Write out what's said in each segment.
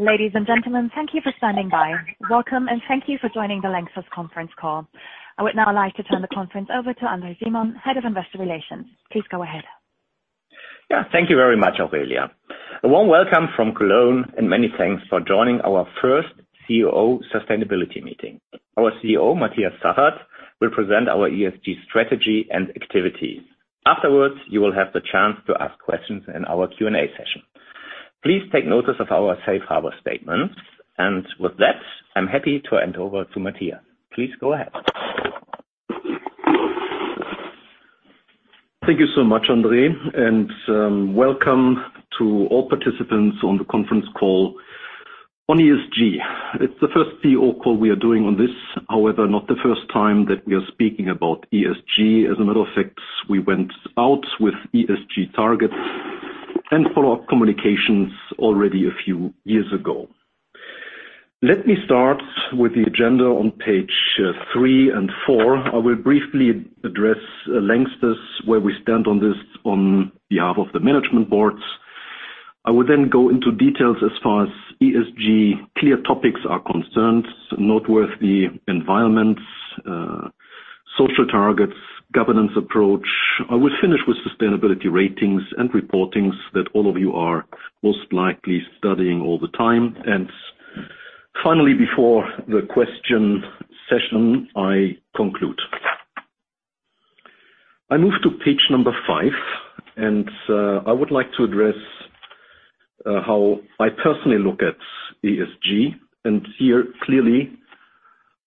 Ladies and gentlemen, thank you for standing by. Welcome and thank you for joining the LANXESS conference call. I would now like to turn the conference over to André Simon, Head of Investor Relations. Please go ahead. Yeah. Thank you very much, Aurelia. A warm welcome from Cologne and many thanks for joining our first CEO Sustainability Meeting. Our CEO, Matthias Zachert, will present our ESG strategy and activities. Afterwards, you will have the chance to ask questions in our Q&A session. Please take notice of our safe harbor statements. With that, I'm happy to hand over to Matthias. Please go ahead. Thank you so much, André, welcome to all participants on the conference call on ESG. It's the first CEO call we are doing on this, however, not the first time that we are speaking about ESG. As a matter of fact, we went out with ESG targets and follow-up communications already a few years ago. Let me start with the agenda on page three and four. I will briefly address LANXESS, where we stand on this on behalf of the management boards. I will then go into details as far as ESG key topics are concerned, noteworthy environments, social targets, governance approach. I will finish with sustainability ratings and reportings that all of you are most likely studying all the time. Finally, before the question session, I conclude. I move to page number five, I would like to address how I personally look at ESG. Here, clearly,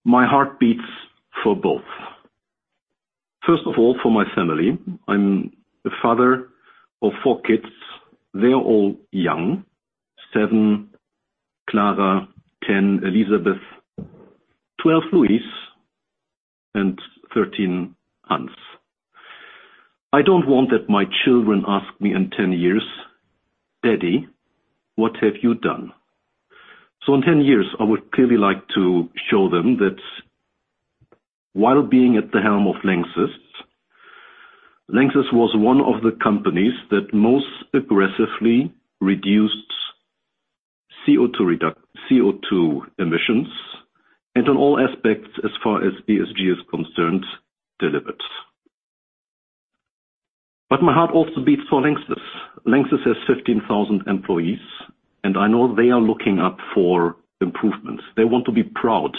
my heart beats for both. First of all, for my family. I'm a father of four kids. They're all young. Seven, Clara. 10, Elizabeth. 12, Luis. 13, Hans. I don't want that my children ask me in 10 years, "Daddy, what have you done?" In 10 years, I would clearly like to show them that while being at the helm of LANXESS was one of the companies that most aggressively reduced CO2 emissions, and in all aspects, as far as ESG is concerned, delivers. My heart also beats for LANXESS. LANXESS has 15,000 employees, and I know they are looking up for improvements. They want to be proud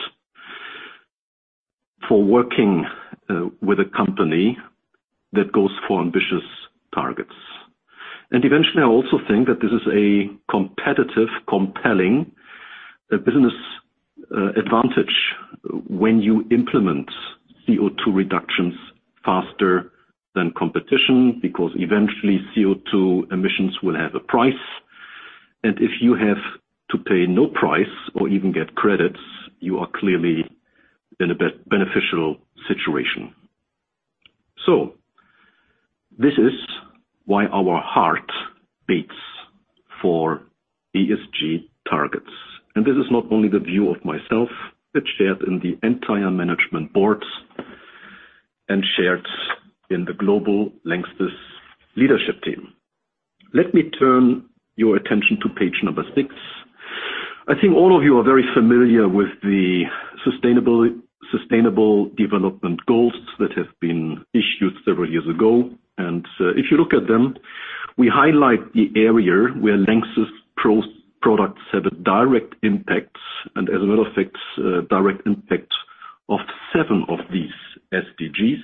for working with a company that goes for ambitious targets. Eventually, I also think that this is a competitive, compelling business advantage when you implement CO2 reductions faster than competition because eventually, CO2 emissions will have a price. If you have to pay no price or even get credits, you are clearly in a beneficial situation. This is why our heart beats for ESG targets. This is not only the view of myself, but shared in the entire management boards and shared in the global LANXESS leadership team. Let me turn your attention to page number six. I think all of you are very familiar with the Sustainable Development Goals that have been issued several years ago. If you look at them, we highlight the area where LANXESS products have a direct impact and as a matter of fact, direct impact of seven of these SDGs.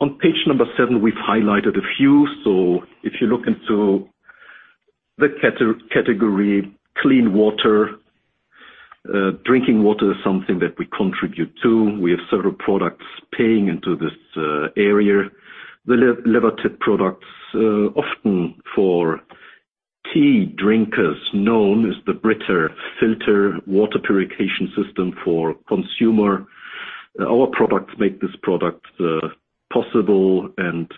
On page number seven, we've highlighted a few. If you look into the category clean water, drinking water is something that we contribute to. We have several products playing into this area. The Lewatit® products, often for key drivers, known as the BRITA Filter Water Purification System for consumer. Our products make this product possible, and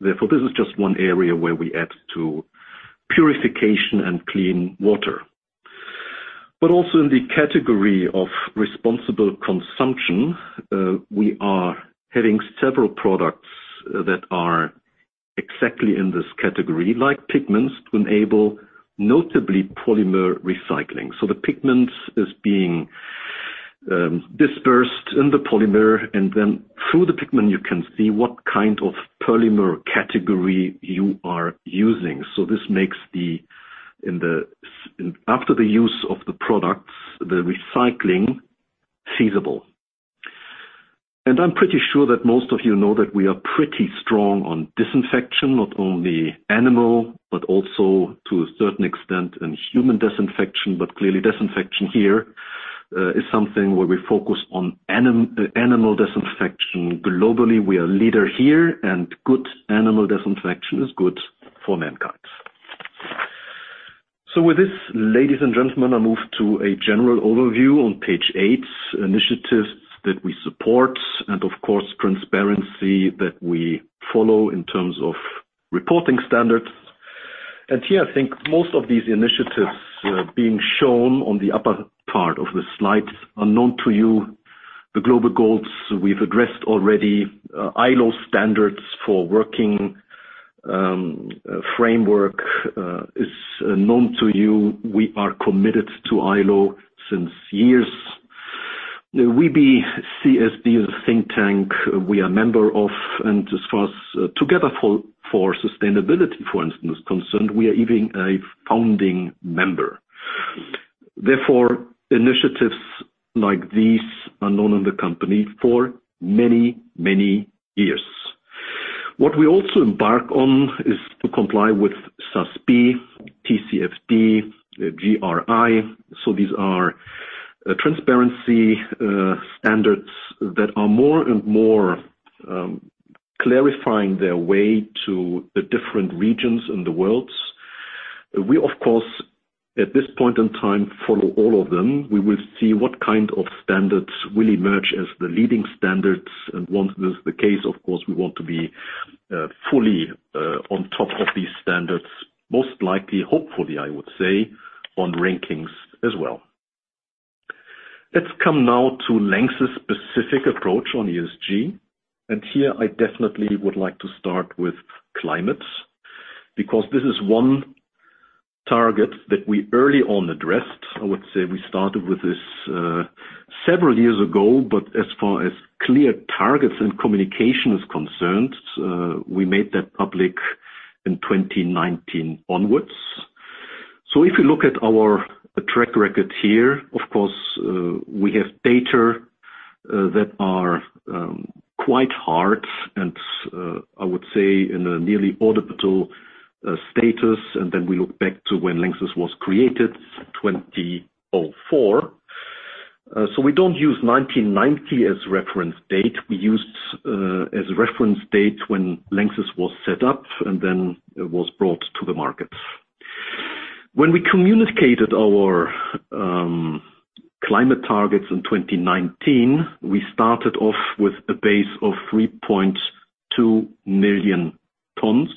therefore, this is just one area where we add to purification and clean water. Also in the category of responsible consumption, we are hitting several products that are exactly in this category, like pigments to enable notably polymer recycling. The pigment is being dispersed in the polymer, and then through the pigment you can see what kind of polymer category you are using. This makes After the use of the products, the recycling feasible. I'm pretty sure that most of you know that we are pretty strong on disinfection, not only animal, but also to a certain extent in human disinfection, but clearly disinfection here is something where we focus on animal disinfection. Globally, we are leader here, and good animal disinfection is good for mankind. With this, ladies and gentlemen, I move to a general overview on page eight, initiatives that we support and of course, transparency that we follow in terms of reporting standards. Here, I think most of these initiatives being shown on the upper part of the slide are known to you. The Global Goals we've addressed already. ILO standards for working framework is known to you. We are committed to ILO since years. WBCSD is a think tank we are a member of, and as far as Together for Sustainability, for instance, concerned, we are even a founding member. Therefore, initiatives like these are known in the company for many, many years. What we also embark on is to comply with SASB, TCFD, GRI. These are transparency standards that are more and more clarifying their way to the different regions in the world. We, of course, at this point in time, follow all of them. We will see what kind of standards will emerge as the leading standards. Once that's the case, of course, we want to be fully on top of these standards, most likely, hopefully, I would say, on rankings as well. Let's come now to LANXESS's specific approach on ESG. Here I definitely would like to start with climate, because this is one target that we early on addressed. I would say we started with this several years ago, but as far as clear targets and communication is concerned, we made that public in 2019 onwards. If you look at our track record here, of course, we have data that are quite hard and I would say in a nearly auditable status. Then we look back to when LANXESS was created, 2004. We don't use 1990 as reference date. We used as a reference date when LANXESS was set up. Then it was brought to the market. When we communicated our climate targets in 2019, we started off with a base of 3.2 million tons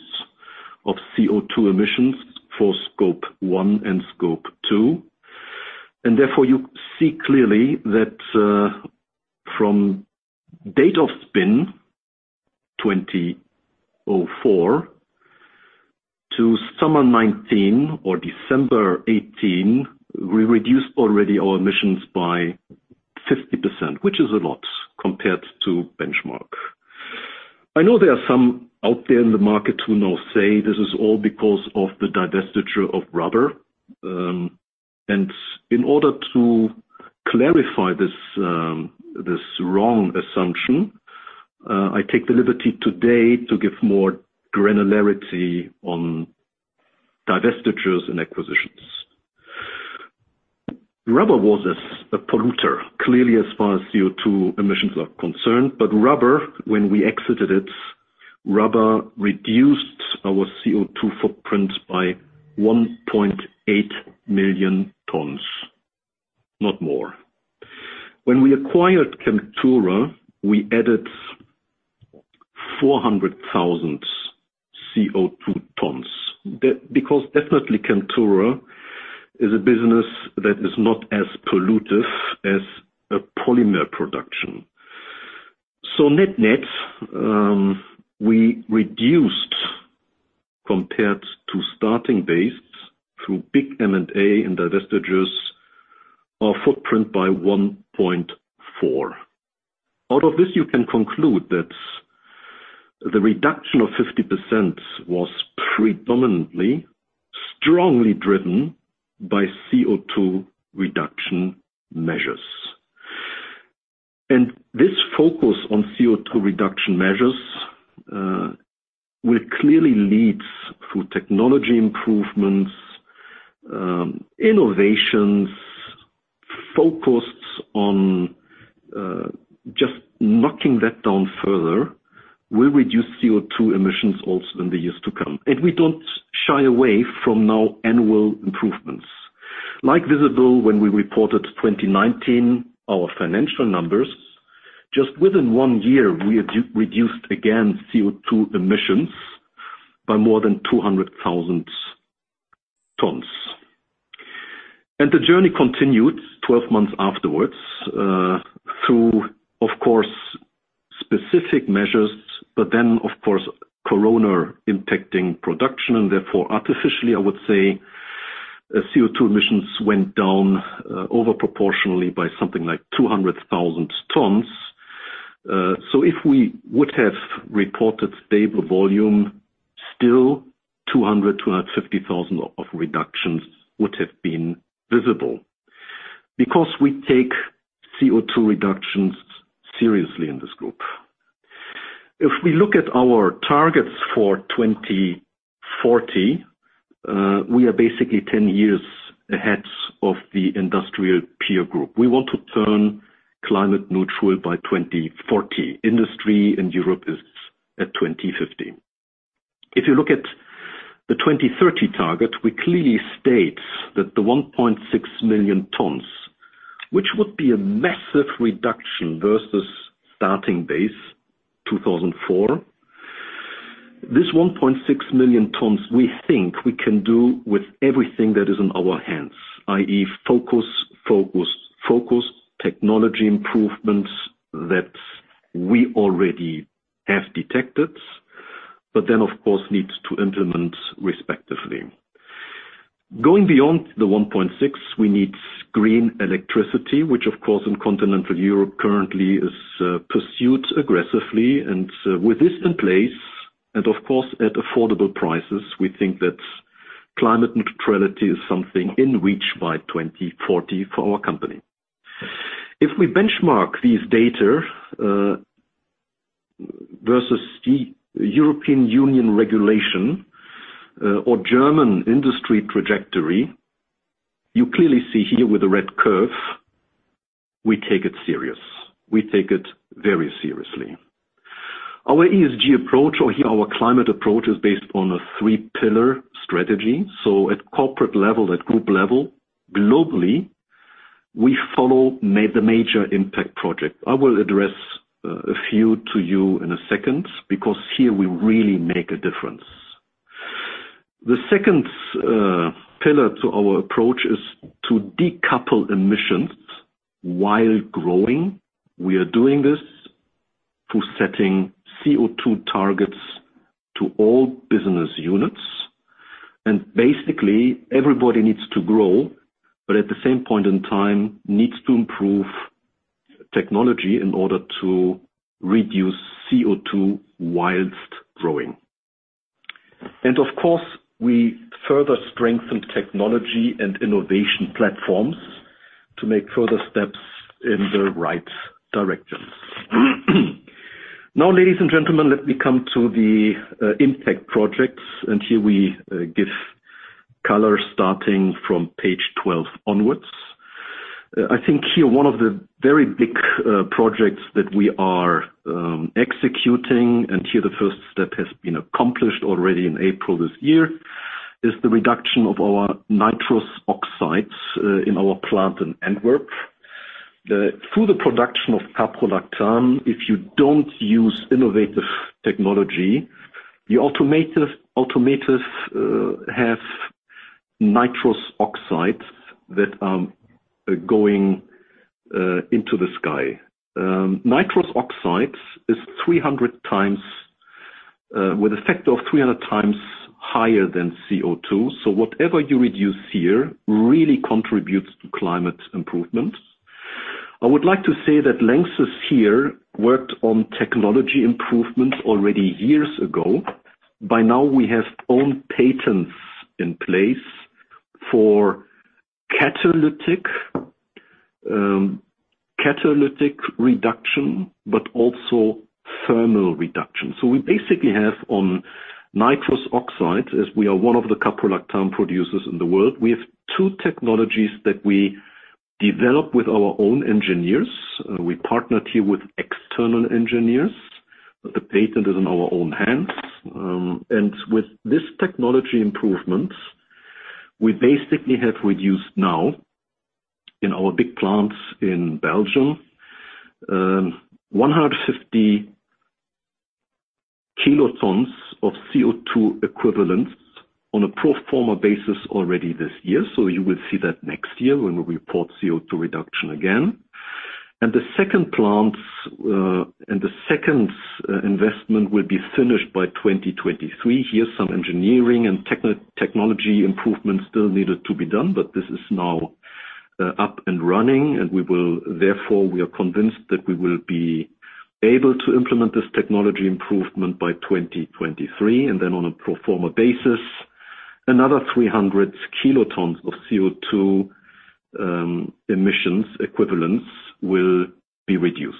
of CO2 emissions for Scope 1 and Scope 2. Therefore, you see clearly that from date of spin, 2004 to summer 2019 or December 2018, we reduced already our emissions by 50%, which is a lot compared to benchmark. I know there are some out there in the market who now say this is all because of the divestiture of rubber. In order to clarify this wrong assumption, I take the liberty today to give more granularity on divestitures and acquisitions. Rubber was a polluter, clearly as far as CO2 emissions are concerned. Rubber, when we exited it, rubber reduced our CO2 footprint by 1.8 million tons. Not more. When we acquired Chemtura, we added 400,000 CO2 tons. Definitely Chemtura is a business that is not as pollutive as a polymer production. Net-net, we reduced compared to starting base through big M&A and divestitures our footprint by 1.4 million tons. Out of this, you can conclude that the reduction of 50% was predominantly strongly driven by CO2 reduction measures. This focus on CO2 reduction measures will clearly lead through technology improvements, innovations, focus on just knocking that down further, will reduce CO2 emissions also in the years to come. We don't shy away from now annual improvements. Like visible when we reported 2019, our financial numbers, just within one year, we reduced again CO2 emissions by more than 200,000 tons. The journey continued 12 months afterwards through, of course, specific measures, but then, of course, corona impacting production and therefore artificially, I would say, CO2 emissions went down over proportionally by something like 200,000 tons. If we would have reported stable volume, still 200,000, 250,000 of reductions would have been visible because we take CO2 reductions seriously in this group. If we look at our targets for 2040, we are basically 10 years ahead of the industrial peer group. We want to turn climate neutral by 2040. Industry in Europe is at 2050. If you look at the 2030 target, we clearly state that the 1.6 million tons, which would be a massive reduction versus starting base 2004. This 1.6 million tons, we think we can do with everything that is in our hands, i.e., focus, focus, technology improvements that we already have detected, but then, of course, needs to implement respectively. Going beyond the 1.6, we need green electricity, which of course in continental Europe currently is pursued aggressively. With this in place, and of course, at affordable prices, we think that climate neutrality is something in reach by 2040 for our company. If we benchmark these data versus the European Union regulation or German industry trajectory, you clearly see here with the red curve, we take it serious. We take it very seriously. Our ESG approach, or here our climate approach, is based on a three-pillar strategy. At corporate level, at group level, globally, we follow the major impact project. I will address a few to you in a second because here we really make a difference. The second pillar to our approach is to decouple emissions while growing. We are doing this through setting CO2 targets to all business units. Basically everybody needs to grow, but at the same point in time, needs to improve technology in order to reduce CO2 whilst growing. Of course, we further strengthen technology and innovation platforms to make further steps in the right direction. Ladies and gentlemen, let me come to the impact projects. Here we give color starting from page 12 onwards. I think here one of the very big projects that we are executing. Here the first step has been accomplished already in April this year, is the reduction of our nitrous oxide in our plant in Antwerp. Through the production of caprolactam, if you don't use innovative technology, the automators have nitrous oxide that is going into the sky. Nitrous oxide is with a factor of 300x higher than CO2. Whatever you reduce here really contributes to climate improvement. I would like to say that LANXESS here worked on technology improvements already years ago. By now we have own patents in place for catalytic reduction, also thermal reduction. We basically have on nitrous oxide, as we are one of the caprolactam producers in the world, we have two technologies that we develop with our own engineers. We partnered here with external engineers, but the patent is in our own hands. With this technology improvement, we basically have reduced now in our big plants in Belgium, 150 kilotons of CO2 equivalents on a pro forma basis already this year. You will see that next year when we report CO2 reduction again. The second investment will be finished by 2023. Here, some engineering and technology improvement still needed to be done, but this is now up and running, and therefore, we are convinced that we will be able to implement this technology improvement by 2023. Then on a pro forma basis, another 300 kilotons of CO2 emissions equivalents will be reduced.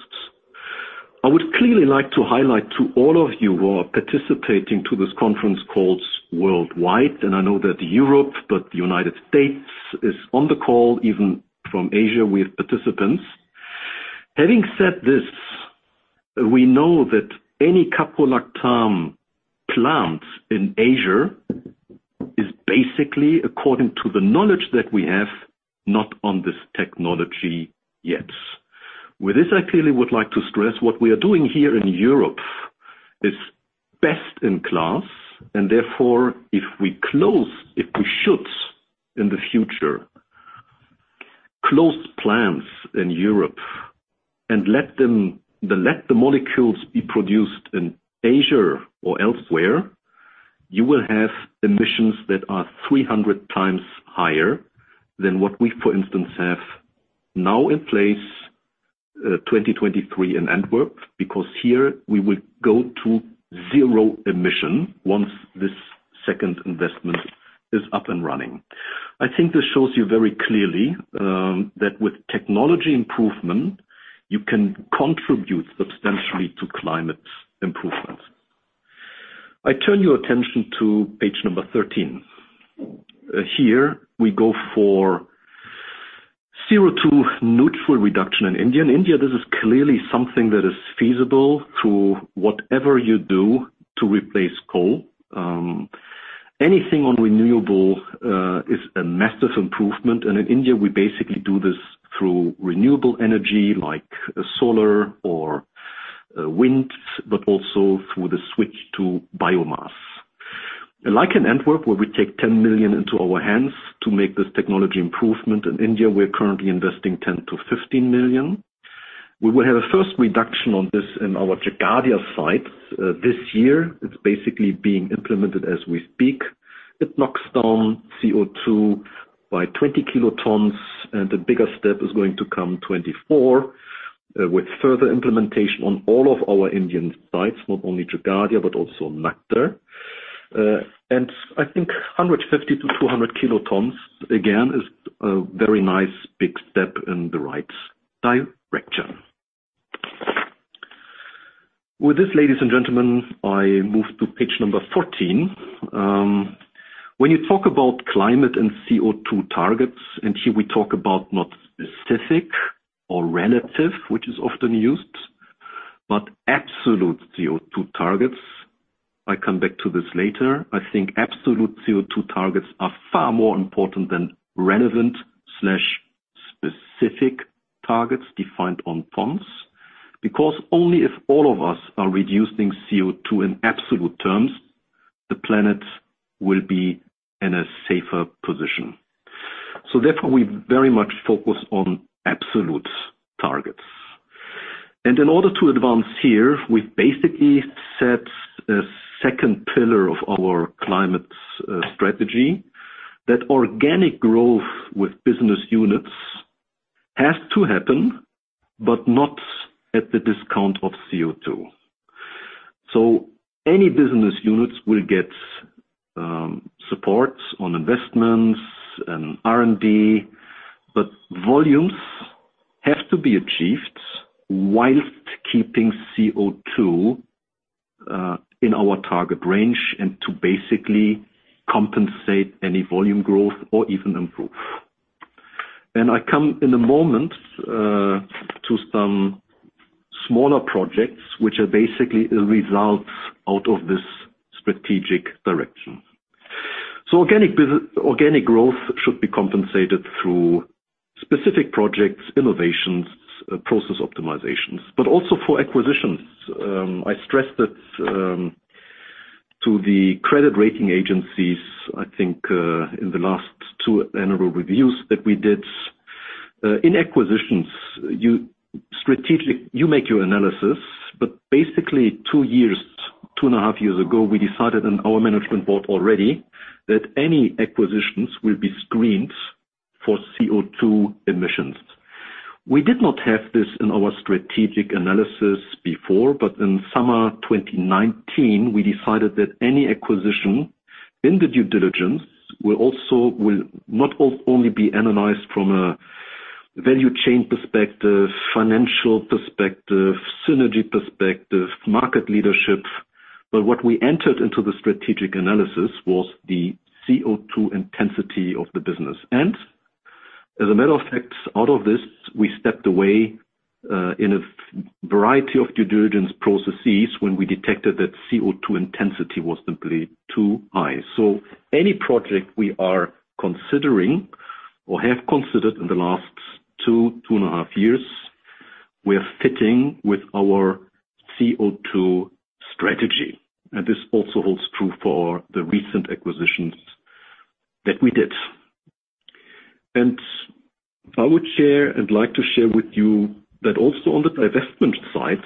I would clearly like to highlight to all of you who are participating to this conference calls worldwide, and I know that Europe, but the U.S. is on the call, even from Asia, we have participants. Having said this, we know that any caprolactam plant in Asia is basically according to the knowledge that we have, not on this technology yet. With this, I clearly would like to stress what we are doing here in Europe is best in class and therefore, if we should, in the future, close plants in Europe and let the molecules be produced in Asia or elsewhere, you will have emissions that are 300x higher than what we, for instance, have now in place, 2023 in Antwerp, because here we will go to zero emission once this second investment is up and running. I think this shows you very clearly, that with technology improvement, you can contribute substantially to climate improvement. I turn your attention to page 13. Here we go for CO2 neutral reduction in India. India, this is clearly something that is feasible through whatever you do to replace coal. Anything on renewable is a massive improvement. In India, we basically do this through renewable energy like solar or wind, but also through the switch to biomass. Like in Antwerp, where we take 10 million into our hands to make this technology improvement, in India, we're currently investing 10 million-15 million. We will have a first reduction on this in our Jhagadia site this year. It's basically being implemented as we speak. It knocks down CO2 by 20 kilotons, and the bigger step is going to come 2024 with further implementation on all of our Indian sites, not only Jhagadia but also Nagda. I think 150 kilotons-200 kilotons, again, is a very nice big step in the right direction. With this, ladies and gentlemen, I move to page 14. When you talk about climate and CO2 targets, and here we talk about not specific or relative, which is often used, but absolute CO2 targets. I come back to this later. I think absolute CO2 targets are far more important than relevant/specific targets defined on tons. Only if all of us are reducing CO2 in absolute terms, the planet will be in a safer position. Therefore, we very much focus on absolute targets. In order to advance here, we've basically set a second pillar of our climate strategy that organic growth with business units has to happen, but not at the discount of CO2. Any business units will get support on investments and R&D, but volumes have to be achieved whilst keeping CO2 in our target range and to basically compensate any volume growth or even improve. I come in a moment to some smaller projects which are basically a result out of this strategic direction. Organic growth should be compensated through specific projects, innovations, process optimizations, but also for acquisitions. I stressed that to the credit rating agencies, I think, in the last two annual reviews that we did. In acquisitions, you make your analysis, but basically 2.5 years ago, we decided in our management board already that any acquisitions will be screened for CO2 emissions. We did not have this in our strategic analysis before, but in summer 2019, we decided that any acquisition in the due diligence will not only be analyzed from a value chain perspective, financial perspective, synergy perspective, market leadership, but what we entered into the strategic analysis was the CO2 intensity of the business. As a matter of fact, out of this, we stepped away in a variety of due diligence processes when we detected that CO2 intensity was simply too high. Any project we are considering or have considered in the last 2.5 years, we are fitting with our CO2 strategy. This also holds true for the recent acquisitions that we did. I would share and like to share with you that also on the divestment side,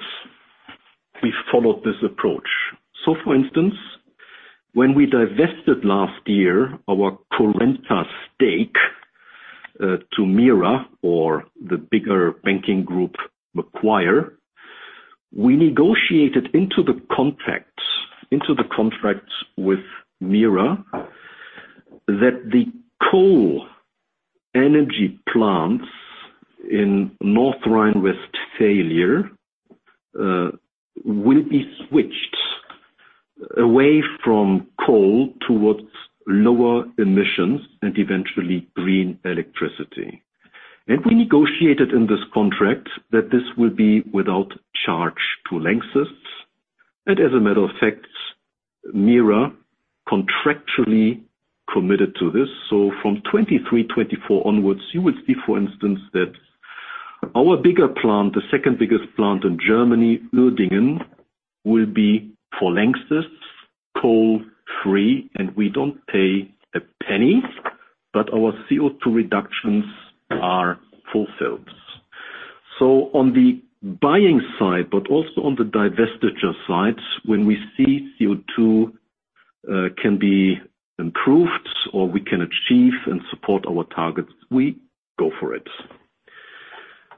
we followed this approach. For instance, when we divested last year our Currenta stake to MIRA or the bigger banking group, Macquarie, we negotiated into the contracts with MIRA that the coal energy plants in North Rhine-Westphalia will be switched away from coal towards lower emissions and eventually green electricity. We negotiated in this contract that this will be without charge to LANXESS. As a matter of fact, MIRA contractually committed to this. From 2023, 2024 onwards, you will see, for instance, that our bigger plant, the second biggest plant in Germany, Uerdingen, will be for LANXESS coal-free, and we don't pay EUR 0.01, but our CO2 reductions are fulfilled. On the buying side, but also on the divestiture side, when we see CO2 can be improved or we can achieve and support our targets, we go for it.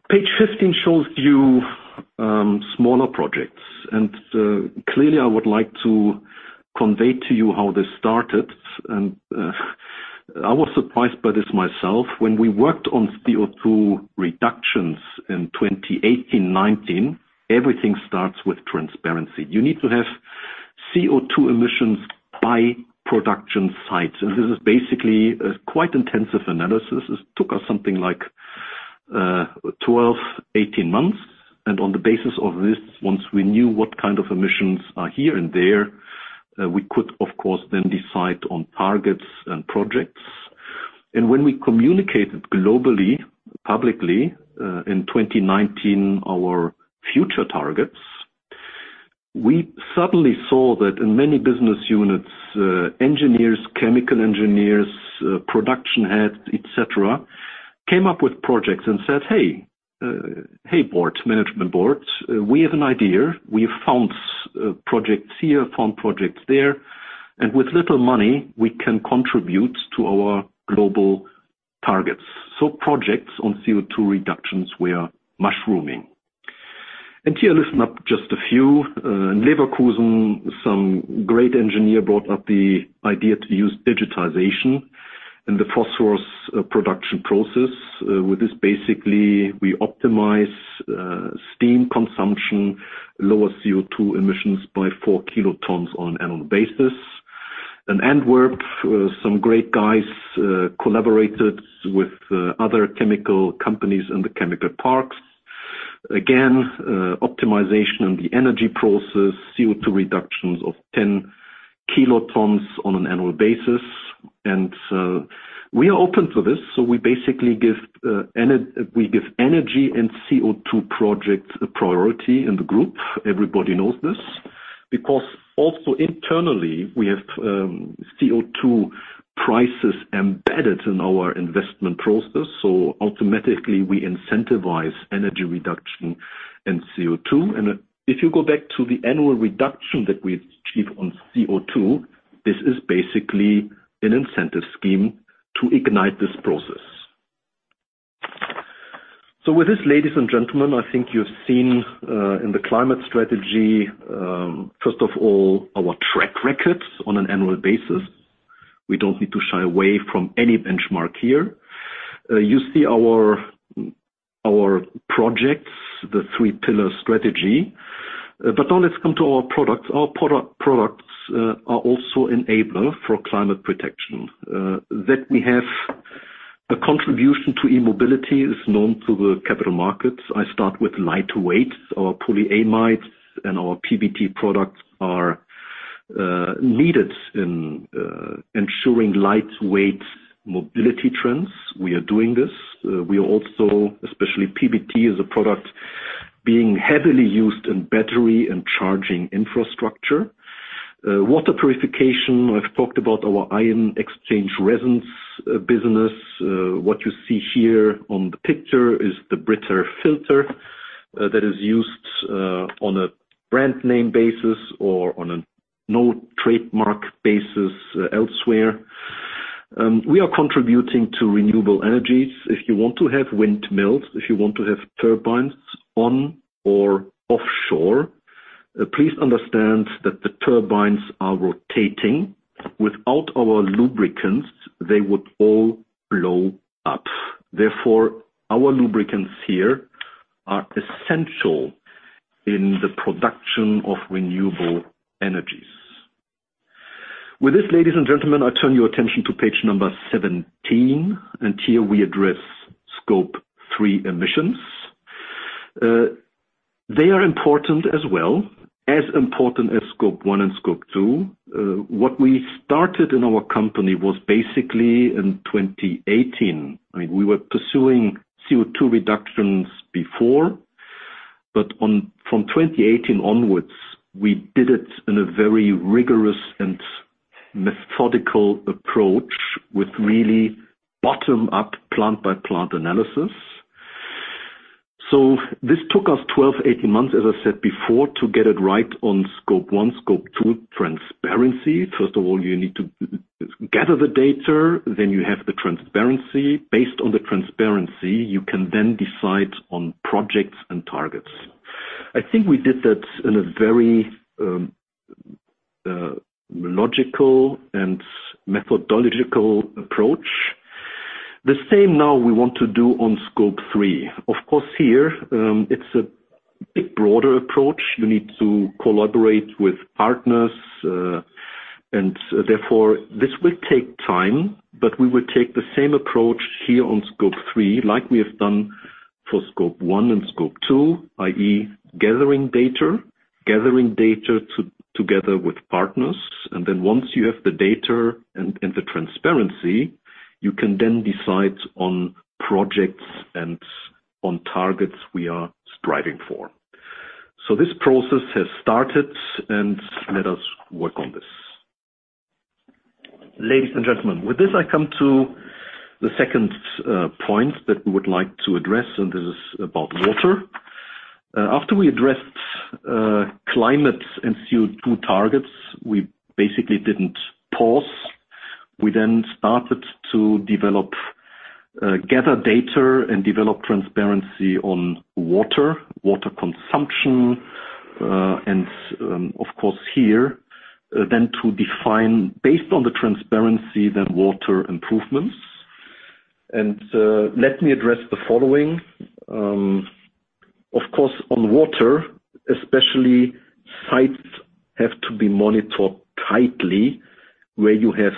Page 15 shows you smaller projects. Clearly I would like to convey to you how this started, and I was surprised by this myself. When we worked on CO2 reductions in 2018/2019, everything starts with transparency. You need to have CO2 emissions by production sites. This is basically a quite intensive analysis. This took us something like 12 months, 18 months. On the basis of this, once we knew what kind of emissions are here and there, we could, of course, then decide on targets and projects. When we communicated globally, publicly in 2019, our future targets, we suddenly saw that in many business units, engineers, chemical engineers, production heads, et cetera, came up with projects and said, "Hey, boards, management boards, we have an idea. We've found projects here, found projects there, and with little money we can contribute to our global targets." Projects on CO2 reductions were mushrooming. Here, listen up, just a few. In Leverkusen, some great engineer brought up the idea to use digitization in the phosphorus production process. With this, basically, we optimize steam consumption, lower CO2 emissions by 4 kilotons on an annual basis. In Antwerp, some great guys collaborated with other chemical companies in the chemical parks. Again, optimization of the energy process, CO2 reductions of 10 kilotons on an annual basis. We are open for this, so we basically give energy and CO2 projects a priority in the group. Everybody knows this because also internally, we have CO2 prices embedded in our investment process, so automatically we incentivize energy reduction in CO2. If you go back to the annual reduction that we achieve on CO2, this is basically an incentive scheme to ignite this process. With this, ladies and gentlemen, I think you've seen in the climate strategy, first of all, our track records on an annual basis. We don't need to shy away from any benchmark here. You see our projects, the three-pillar strategy. Now let's come to our products. Our products are also enabler for climate protection. That we have a contribution to e-mobility is known to the capital markets. I start with lightweight. Our polyamides and our PBT products are needed in ensuring lightweight mobility trends. We are doing this. We also, especially PBT, is a product being heavily used in battery and charging infrastructure. Water purification, I've talked about our ion exchange resins business. What you see here on the picture is the BRITA filter that is used on a brand name basis or on a no trademark basis elsewhere. We are contributing to renewable energies. If you want to have windmills, if you want to have turbines on or offshore, please understand that the turbines are rotating. Without our lubricants, they would all blow up. Therefore, our lubricants here are essential in the production of renewable energies. With this, ladies and gentlemen, I turn your attention to page number 17, and here we address Scope 3 emissions. They are important as well, as important as Scope 1 and Scope 2. What we started in our company was basically in 2018. We were pursuing CO2 reductions before, but from 2018 onwards, we did it in a very rigorous and methodical approach with really bottom-up plant-by-plant analysis. This took us 12 months, 18 months, as I said before, to get it right on Scope 1, Scope 2 transparency. First of all, you need to gather the data, then you have the transparency. Based on the transparency, you can then decide on projects and targets. I think we did that in a very logical and methodological approach. The same now we want to do on Scope 3. Of course, here, it's a bit broader approach. You need to collaborate with partners, and therefore, this will take time, but we will take the same approach here on Scope 3 like we have done for Scope 1 and Scope 2, i.e., gathering data. Gathering data together with partners, and then once you have the data and the transparency, you can then decide on projects and on targets we are striving for. This process has started, and let us work on this. Ladies and gentlemen, with this, I come to the second point that we would like to address, and this is about water. After we addressed climate and CO2 targets, we basically didn't pause. We then started to gather data and develop transparency on water consumption, and of course here, then to define based on the transparency then water improvements. Let me address the following. Of course, on water, especially sites have to be monitored tightly where you have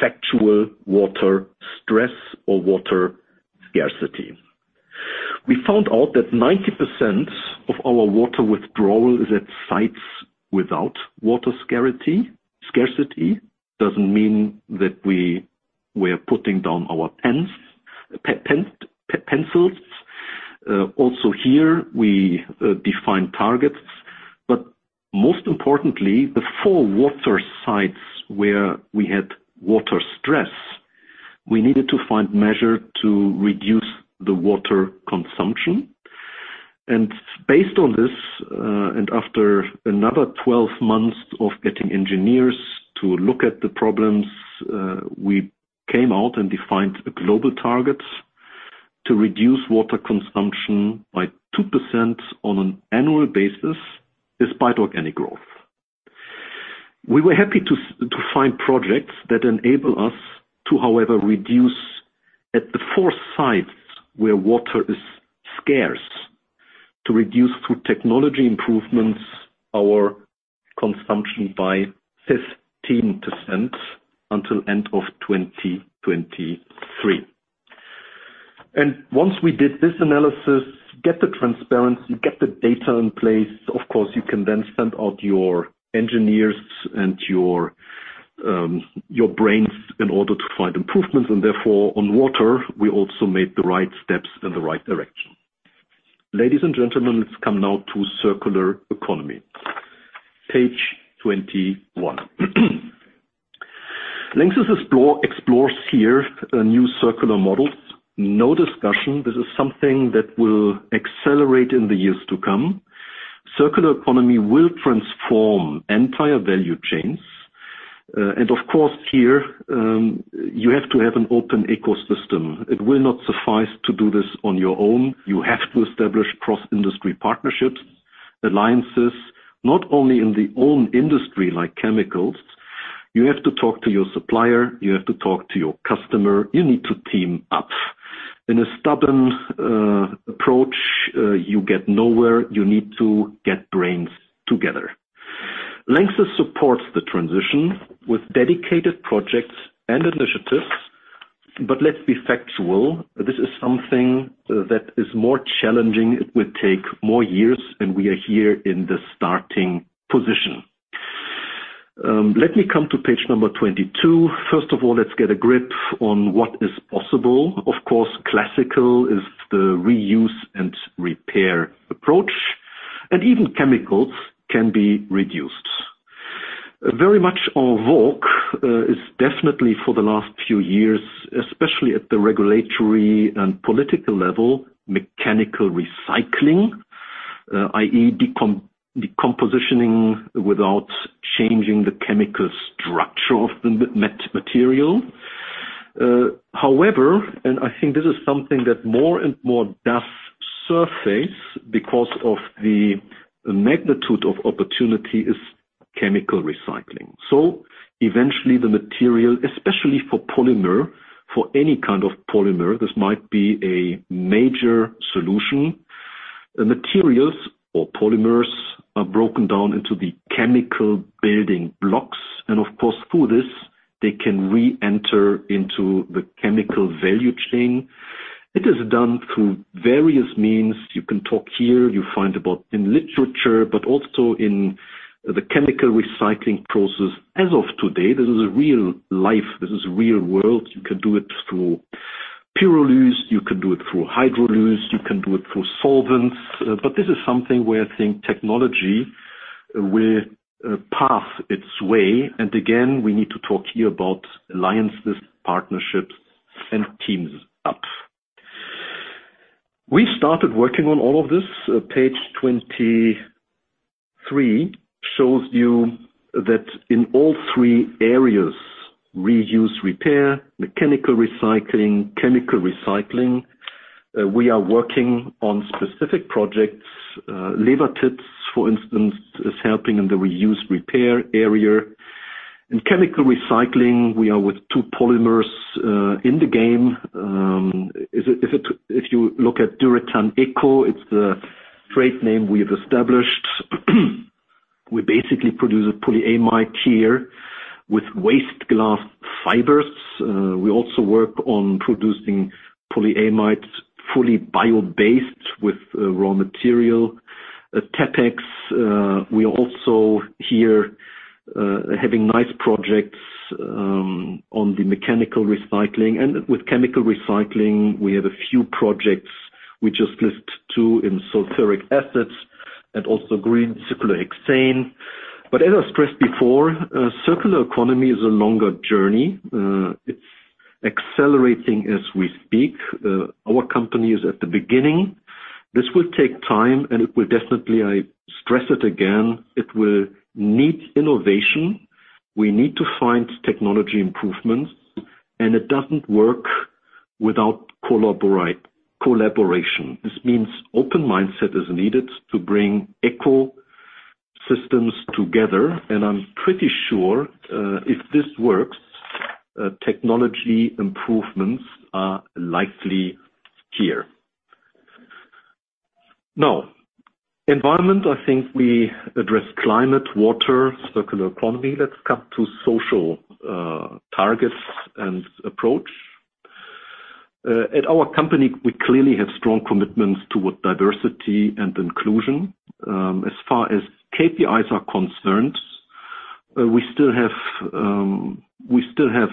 factual water stress or water scarcity. We found out that 90% of our water withdrawal is at sites without water scarcity. Scarcity doesn't mean that we're putting down our pencils. Also here, we define targets, but most importantly, the four water sites where we had water stress, we needed to find measures to reduce the water consumption. Based on this, and after another 12 months of getting engineers to look at the problems, we came out and defined global targets to reduce water consumption by 2% on an annual basis despite organic growth. We were happy to find projects that enable us to, however, reduce at the four sites where water is scarce, to reduce through technology improvements our consumption by 15% until end of 2023. Once we did this analysis, get the transparency, get the data in place, of course, you can then send out your engineers and your brains in order to find improvements, and therefore on water, we also made the right steps in the right direction. Ladies and gentlemen, let's come now to circular economy. Page 21. LANXESS explores here new circular models. No discussion. This is something that will accelerate in the years to come. Circular economy will transform entire value chains. Of course, here, you have to have an open ecosystem. It will not suffice to do this on your own. You have to establish cross-industry partnerships, alliances, not only in the own industry like chemicals. You have to talk to your supplier, you have to talk to your customer. You need to team up. In a stubborn approach, you get nowhere. You need to get brains together. LANXESS supports the transition with dedicated projects and initiatives, but let's be factual. This is something that is more challenging. It will take more years, and we are here in the starting position. Let me come to page number 22. First of all, let's get a grip on what is possible. Of course, classical is the reuse and repair approach, and even chemicals can be reduced. Very much en vogue is definitely for the last few years, especially at the regulatory and political level, mechanical recycling, i.e., decompositioning without changing the chemical structure of the material. I think this is something that more and more does surface because of the magnitude of opportunity is chemical recycling. Eventually the material, especially for polymer, for any kind of polymer, this might be a major solution. The materials or polymers are broken down into the chemical building blocks, and of course, through this, they can reenter into the chemical value chain. It is done through various means. You can talk here, you find about in literature, but also in the chemical recycling process as of today. This is real life. This is the real world. You can do it through pyrolysis, you can do it through hydrolysis, you can do it through solvents. This is something where I think technology will path its way, and again, we need to talk here about alliances, partnerships, and teams up. We started working on all of this. Page 23 shows you that in all three areas, reuse/repair, mechanical recycling, chemical recycling, we are working on specific projects. Lewatit, for instance, is helping in the reuse/repair area. In chemical recycling, we are with two polymers in the game. If you look at Durethan ECO, it's the trade name we've established. We basically produce a polyamide here with waste glass fibers. We also work on producing polyamides fully bio-based with raw material. At Tepex, we also here are having nice projects on the mechanical recycling, and with chemical recycling, we have a few projects. We just listed two in sulfuric acids and also green cyclohexane. As I stressed before, circular economy is a longer journey. It's accelerating as we speak. Our company is at the beginning. This will take time, and it will definitely, I stress it again, it will need innovation. We need to find technology improvements, and it doesn't work without collaboration. This means open mindset is needed to bring ecosystems together, and I'm pretty sure if this works, technology improvements are likely here. Now, environment, I think we address climate, water, circular economy. Let's come to social targets and approach. At our company, we clearly have strong commitments toward diversity and inclusion. As far as KPIs are concerned, we still have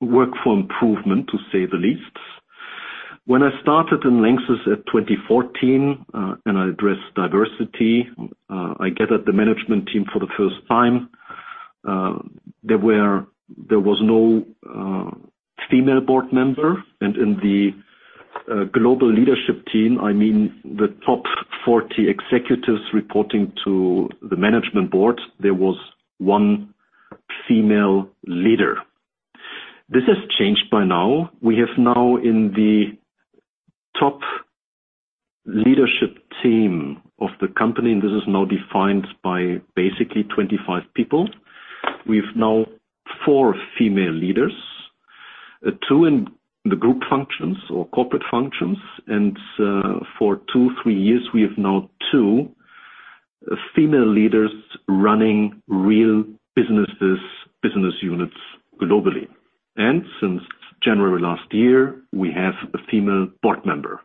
work for improvement, to say the least. When I started in LANXESS at 2014 and I addressed diversity, I get at the management team for the first time, there was no female board member, and in the global leadership team, I mean, the top 40 executives reporting to the management board, there was one female leader. This has changed by now. We have now in the top leadership team of the company. This is now defined by basically 25 people. We've now four female leaders, two in the group functions or corporate functions. For two, three years, we have now two female leaders running real business units globally. Since January last year, we have a female board member.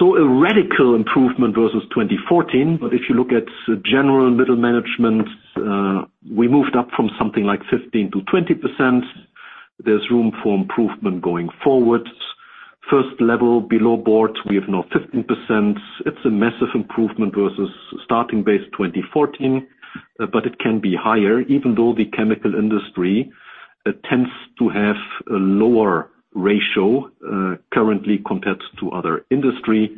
A radical improvement versus 2014. If you look at general middle management, we moved up from something like 15%-20%. There's room for improvement going forward. First level below board, we have now 15%. It's a massive improvement versus starting base 2014. It can be higher, even though the chemical industry tends to have a lower ratio currently compared to other industry.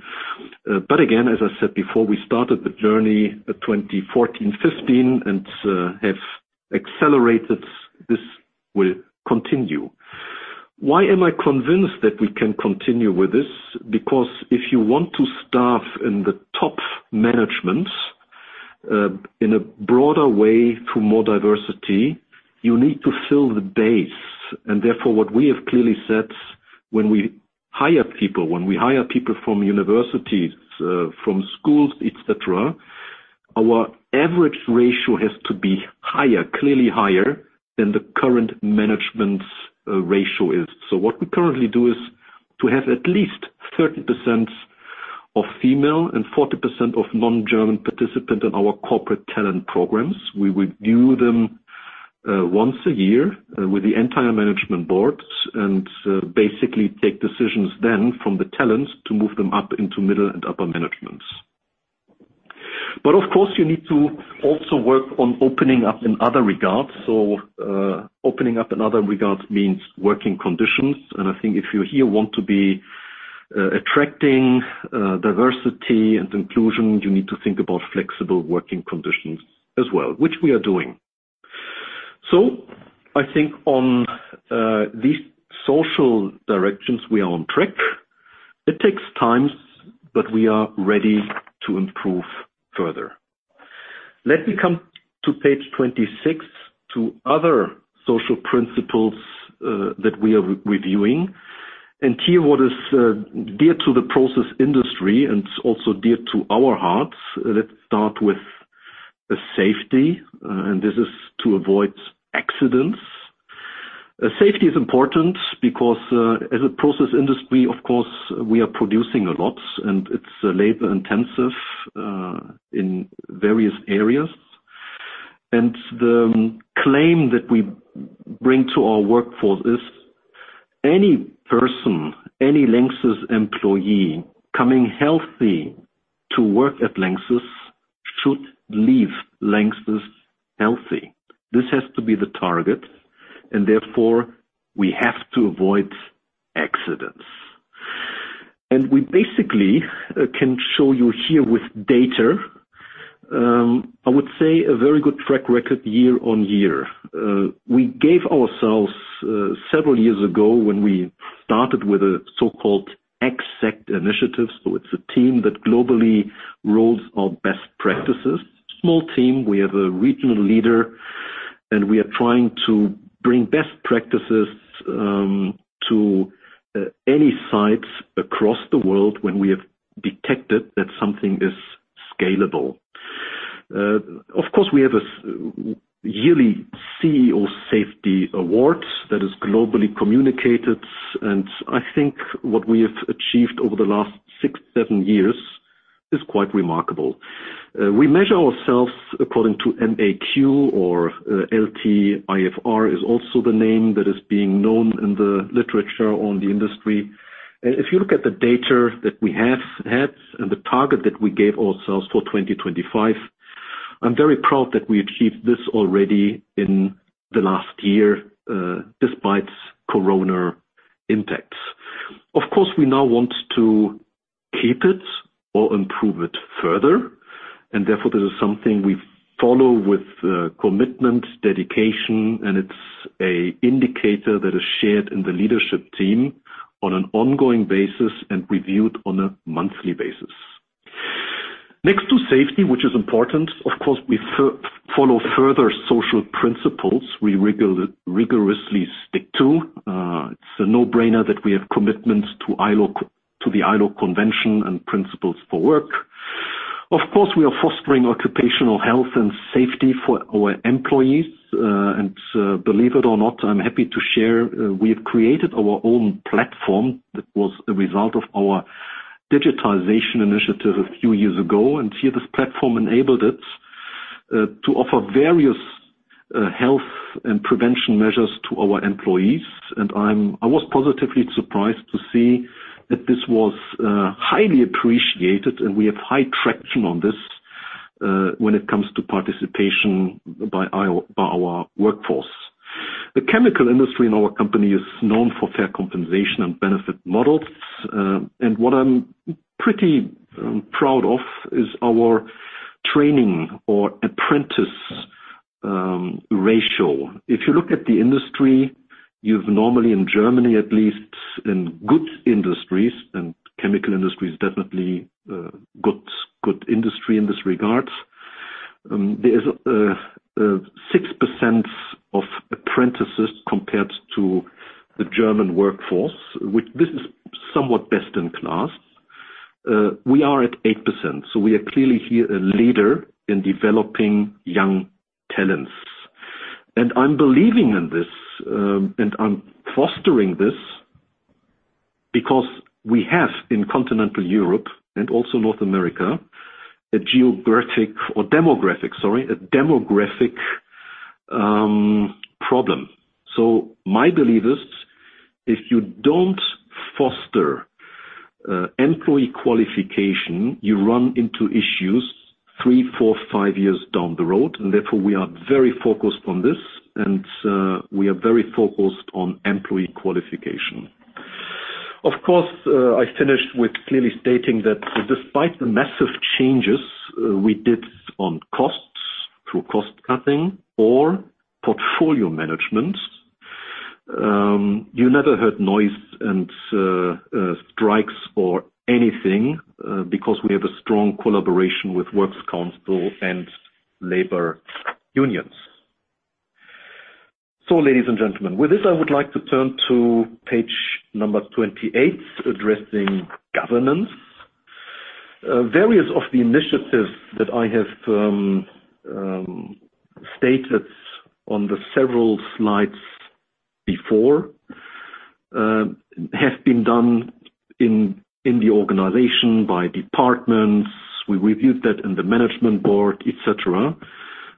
Again, as I said before, we started the journey 2014, 2015, and have accelerated. This will continue. Why am I convinced that we can continue with this? If you want to staff in the top management in a broader way to more diversity, you need to fill the base. What we have clearly said, when we hire people from universities, from schools, et cetera, our average ratio has to be higher, clearly higher than the current management ratio is. What we currently do is to have at least 30% of female and 40% of non-German participant in our corporate talent programs. We review them once a year with the entire management board and basically take decisions then from the talents to move them up into middle and upper management. Of course, you need to also work on opening up in other regards. Opening up in other regards means working conditions. I think if you here want to be attracting diversity and inclusion, you need to think about flexible working conditions as well, which we are doing. I think on these social directions, we are on track. It takes time, but we are ready to improve further. Let me come to page 26 to other social principles that we are reviewing. Here what is dear to the process industry and also dear to our hearts. Let's start with safety, and this is to avoid accidents. Safety is important because as a process industry, of course, we are producing a lot, and it's labor-intensive in various areas. The claim that we bring to our workforce is any person, any LANXESS employee coming healthy to work at LANXESS should leave LANXESS healthy. This has to be the target, and therefore we have to avoid accidents. We basically can show you here with data, I would say a very good track record year on year. We gave ourselves several years ago when we started with a so-called Xact initiative, so it's a team that globally rolls out best practices. Small team, we have a regional leader, and we are trying to bring best practices to any sites across the world when we have detected that something is scalable. Of course, we have a yearly CEO Safety Award that is globally communicated, and I think what we have achieved over the last six, seven years is quite remarkable. We measure ourselves according to MAQ or LTIFR is also the name that is being known in the literature in the industry. If you look at the data that we have had and the target that we gave ourselves for 2025, I'm very proud that we achieved this already in the last year despite corona impacts. Of course, we now want to keep it or improve it further. Therefore, this is something we follow with commitment, dedication, and it's an indicator that is shared in the leadership team on an ongoing basis and reviewed on a monthly basis. Next to safety, which is important, of course, we follow further social principles we rigorously stick to. It's a no-brainer that we have commitments to the ILO convention and principles for work. Of course, we are fostering occupational health and safety for our employees. Believe it or not, I'm happy to share, we have created our own platform that was a result of our digitalization initiative a few years ago. Here this platform enabled it to offer various health and prevention measures to our employees. I was positively surprised to see that this was highly appreciated. We have high traction on this when it comes to participation by our workforce. The chemical industry in our company is known for fair compensation and benefit models. What I'm pretty proud of is our training or apprentice ratio. If you look at the industry, you have normally, in Germany at least, in good industries, and chemical industry is definitely a good industry in this regard, there is 6% of apprentices compared to the German workforce, which this is somewhat best in class. We are at 8%. We are clearly here a leader in developing young talents. I'm believing in this, and I'm fostering this because we have, in continental Europe and also North America, a demographic problem. My belief is if you don't foster employee qualification, you run into issues three, four, five years down the road, and therefore, we are very focused on this, and we are very focused on employee qualification. Of course, I finished with clearly stating that despite the massive changes we did on costs through cost-cutting or portfolio management, you never heard noise and strikes or anything because we have a strong collaboration with works council and labor unions. Ladies and gentlemen, with this I would like to turn to page number 28, addressing governance. Various of the initiatives that I have stated on the several slides before have been done in the organization by departments. We reviewed that in the management board, et cetera.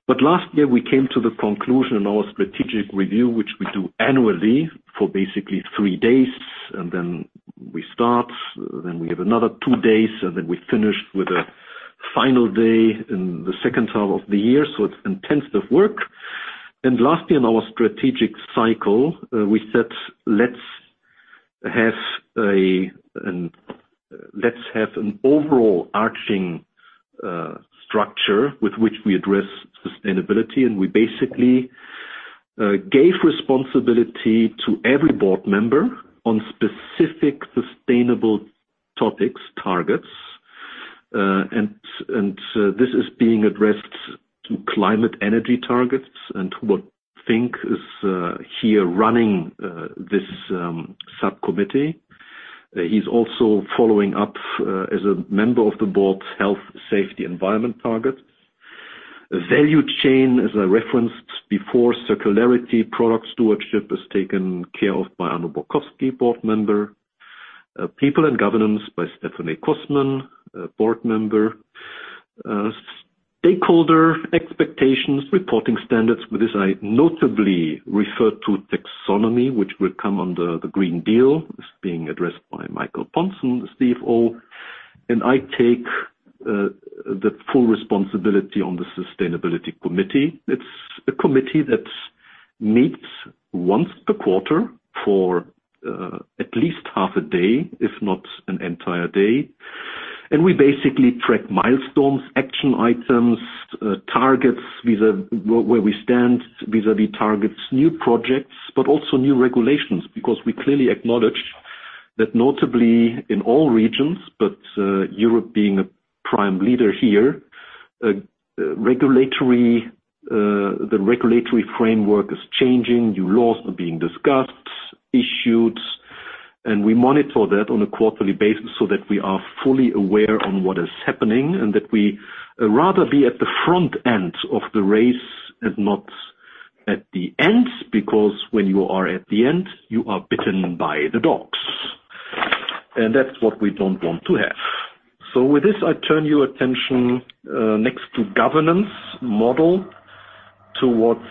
Last year we came to the conclusion in our strategic review, which we do annually for basically three days, and then we start, then we have another two days, and then we finish with a final day in the second half of the year, it's intensive work. Lastly, in our strategic cycle, we said, "Let's have an overall arching structure with which we address sustainability." We basically gave responsibility to every board member on specific sustainable topics, targets. This is being addressed to climate energy targets and to what Fink is here running this subcommittee. He is also following up as a member of the board's health, safety, environment target. The value chain, as I referenced before, circularity, product stewardship is taken care of by Anno Borkowsky, board member. People and governance by Stephanie Coßmann, board member. Stakeholder expectations, reporting standards, but this I notably refer to taxonomy, which will come under the European Green Deal, is being addressed by Michael Pontzen, CFO. I take the full responsibility on the sustainability committee. It is a committee that meets once per quarter for at least half a day, if not an entire day. We basically track milestones, action items, targets vis-à where we stand vis-à-vis targets, new projects, but also new regulations because we clearly acknowledge that notably in all regions, but Europe being a prime leader here, the regulatory framework is changing, new laws are being discussed, issued, and we monitor that on a quarterly basis so that we are fully aware on what is happening and that we rather be at the front end of the race and not at the end because when you are at the end, you are bitten by the dogs. That's what we don't want to have. With this, I turn your attention next to governance model towards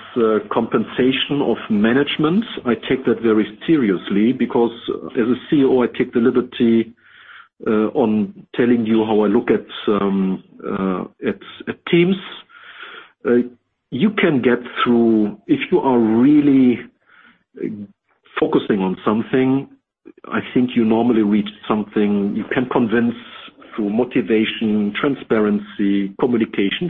compensation of management. I take that very seriously because as a CEO, I take the liberty on telling you how I look at teams. If you are really focusing on something, I think you normally reach something you can convince through motivation, transparency, communication.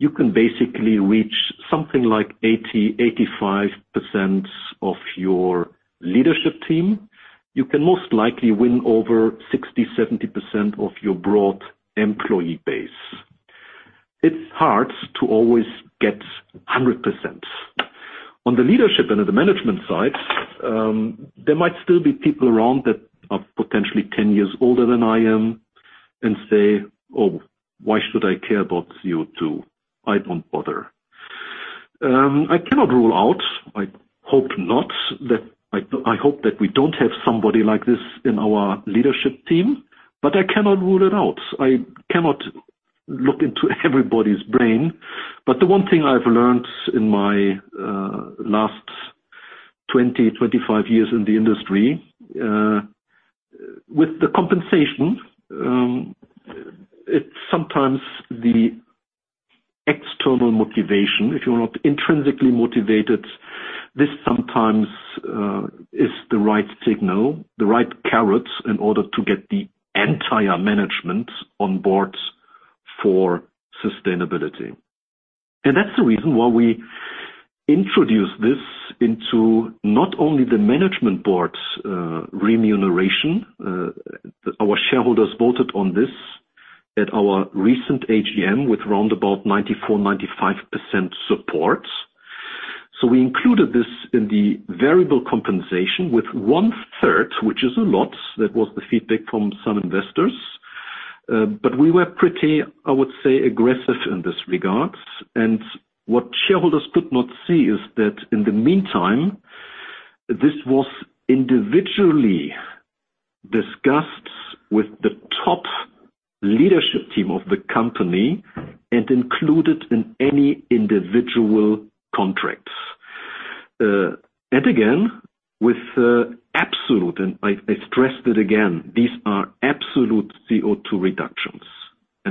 You can basically reach something like 80%, 85% of your leadership team. You can most likely win over 60%, 70% of your broad employee base. It's hard to always get 100%. On the leadership and the management side, there might still be people around that are potentially 10 years older than I am and say, "Oh, why should I care about CO2? I don't bother." I cannot rule out, I hope that we don't have somebody like this in our leadership team, but I cannot rule it out. I cannot look into everybody's brain. The one thing I've learned in my last 20, 25 years in the industry, with the compensation, it's sometimes the external motivation. If you're not intrinsically motivated, this sometimes is the right signal, the right carrots in order to get the entire management on board for sustainability. That's the reason why we introduced this into not only the management board's remuneration. Our shareholders voted on this at our recent AGM with round about 94%, 95% support. We included this in the variable compensation with one-third, which is a lot. That was the feedback from some investors. We were pretty, I would say, aggressive in this regard. What shareholders could not see is that in the meantime, this was individually discussed with the top leadership team of the company and included in any individual contracts. Again, with absolute, and I stress it again, these are absolute CO2 reductions.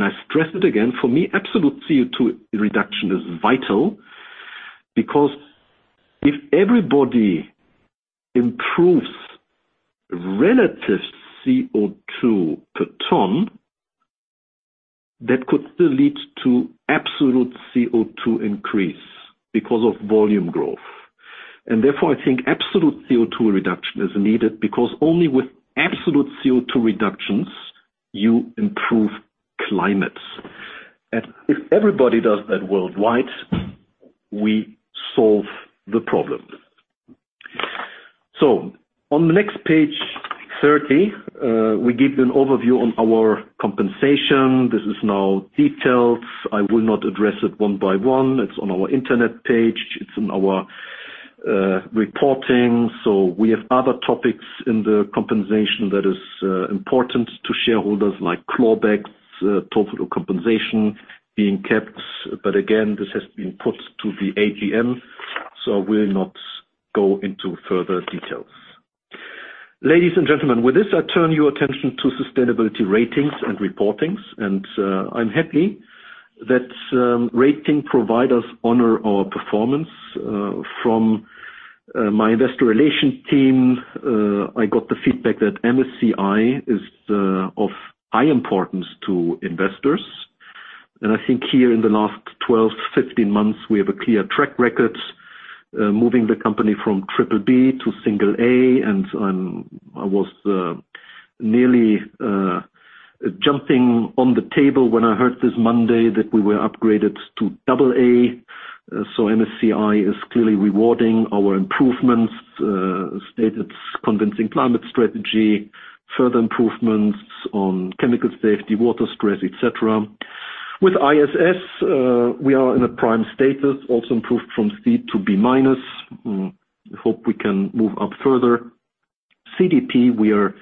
I stress it again, for me, absolute CO2 reduction is vital because if everybody improves relative CO2 per ton, that could still lead to absolute CO2 increase because of volume growth. Therefore, I think absolute CO2 reduction is needed because only with absolute CO2 reductions you improve climate. If everybody does that worldwide, we solve the problem. On the next page, 30, we give an overview on our compensation. This is now detailed. I will not address it one by one. It's on our internet page. It's in our reporting. We have other topics in the compensation that is important to shareholders, like clawbacks, total compensation being kept. Again, this has been put to the AGM, so I will not go into further details. Ladies and gentlemen, with this, I turn your attention to sustainability ratings and reporting, and I'm happy that rating providers honor our performance. From my investor relations team, I got the feedback that MSCI is of high importance to investors. I think here in the last 12-15 months, we have a clear track record moving the company from triple B to single A, and I was nearly jumping on the table when I heard this Monday that we were upgraded to double A. MSCI is clearly rewarding our improvements, stated convincing climate strategy, further improvements on chemical safety, water stress, et cetera. With ISS, we are in a prime status, also improved from C to B-. Hope we can move up further. CDP, we are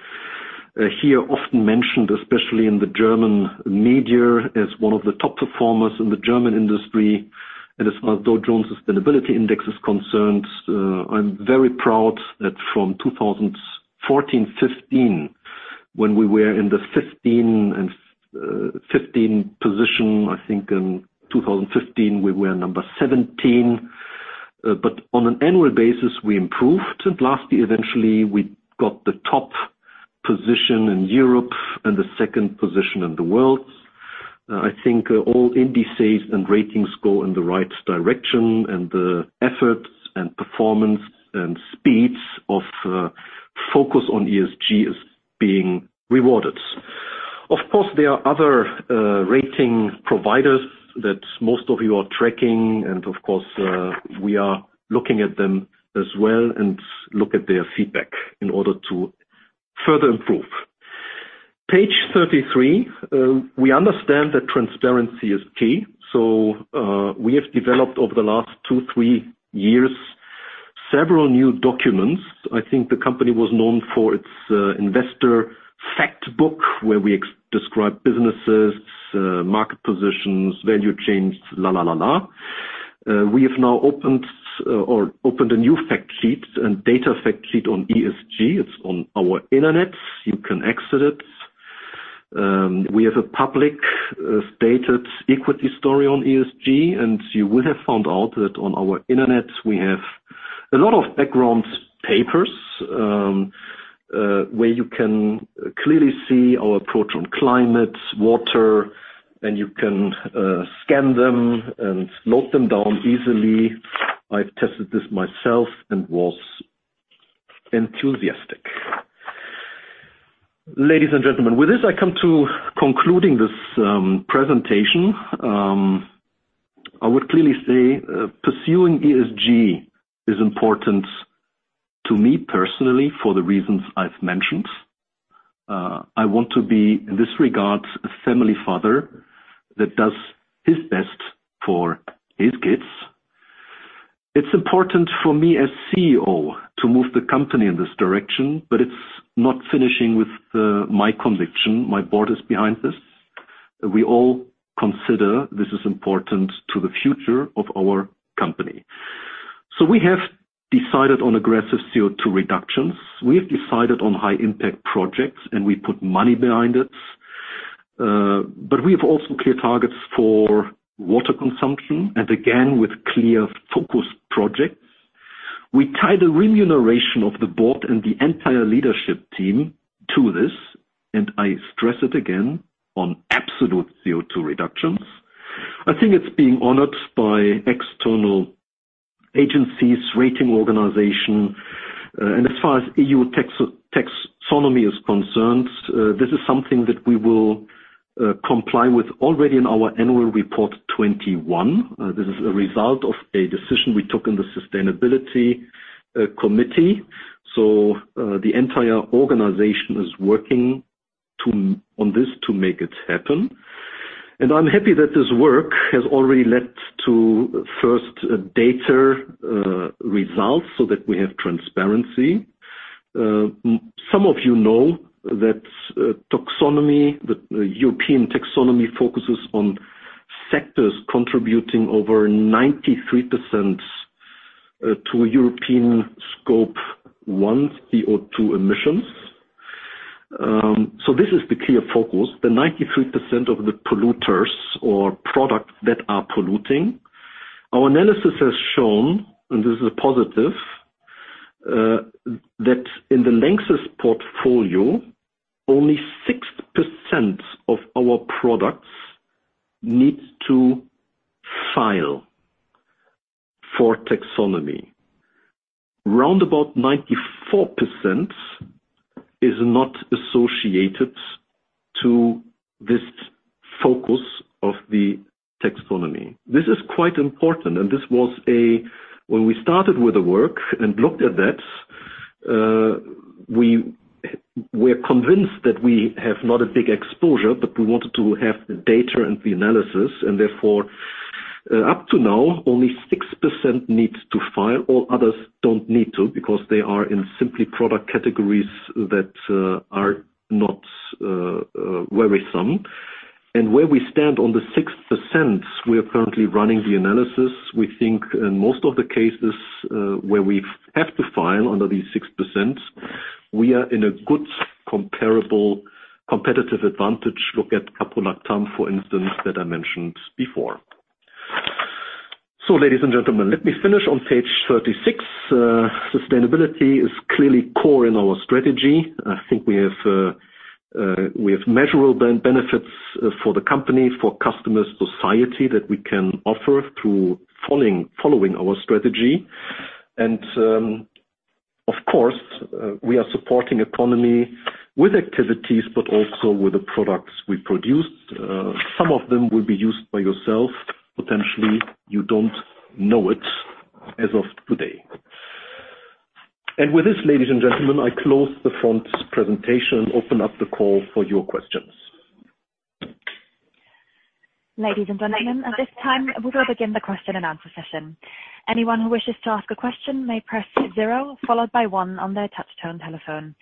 here often mentioned, especially in the German media, as one of the top performers in the German industry. as far as Dow Jones Sustainability Index is concerned, I'm very proud that from 2014, 2015, when we were in the 15 position, I think in 2015 we were number 17. on an annual basis, we improved. Lastly, eventually, we got the top position in Europe and the second position in the world. I think all indices and ratings go in the right direction, and the efforts and performance and speeds of focus on ESG is being rewarded. Of course, there are other rating providers that most of you are tracking, and of course, we are looking at them as well and look at their feedback in order to further improve. Page 33, we understand that transparency is key, so we have developed over the last two, three years several new documents. I think the company was known for its investor fact book, where we describe businesses, market positions, value chains, la, la. We have now opened a new fact sheet and data fact sheet on ESG. It's on our internet. You can access it. We have a public stated equity story on ESG, and you will have found out that on our internet, we have a lot of background papers where you can clearly see our approach on climate, water, and you can scan them and note them down easily. I tested this myself and was enthusiastic. Ladies and gentlemen, with this, I come to concluding this presentation. I would clearly say pursuing ESG is important to me personally, for the reasons I've mentioned. I want to be, in this regard, a family father that does his best for his kids. It's important for me as CEO to move the company in this direction, but it's not finishing with my conviction. My board is behind this, and we all consider this is important to the future of our company. We have decided on aggressive CO2 reductions. We have decided on high-impact projects, and we put money behind it. We have also clear targets for water consumption, and again, with clear focus projects. We tie the remuneration of the board and the entire leadership team to this, and I stress it again on absolute CO2 reductions. I think it's being honored by external agencies, rating organizations, and as far as EU taxonomy is concerned, this is something that we will comply with already in our annual report 2021. This is a result of a decision we took in the sustainability committee. The entire organization is working on this to make it happen. I'm happy that this work has already led to first data results so that we have transparency. Some of you know that the European taxonomy focuses on sectors contributing over 93% to European Scope 1 CO2 emissions. This is the clear focus, the 93% of the polluters or products that are polluting. Our analysis has shown, and this is positive, that in the LANXESS portfolio, only 6% of our products need to file for taxonomy. Round about 94% is not associated to this focus of the taxonomy. This is quite important, and when we started with the work and looked at that, we're convinced that we have not a big exposure, but we wanted to have data and the analysis, and therefore, up to now, only 6% needs to file. All others don't need to because they are in simply product categories that are not worrisome. Where we stand on the 6%, we are currently running the analysis. We think in most of the cases where we have to file under these 6%, we are in a good comparable competitive advantage. Look at caprolactamnt, for instance, that I mentioned before. Ladies and gentlemen, let me finish on page 36. Sustainability is clearly core in our strategy. I think we have measurable benefits for the company, for customers, society that we can offer through following our strategy. Of course, we are supporting economy with activities, but also with the products we produce. Some of them will be used by yourself, potentially you don't know it as of today. With this, ladies and gentlemen, I close the front presentation, open up the call for your questions. Ladies and gentlemen, at this time, we will begin the question and answer session. Anyone who wishes to ask a question may press zero followed by one on their touch-tone telephone.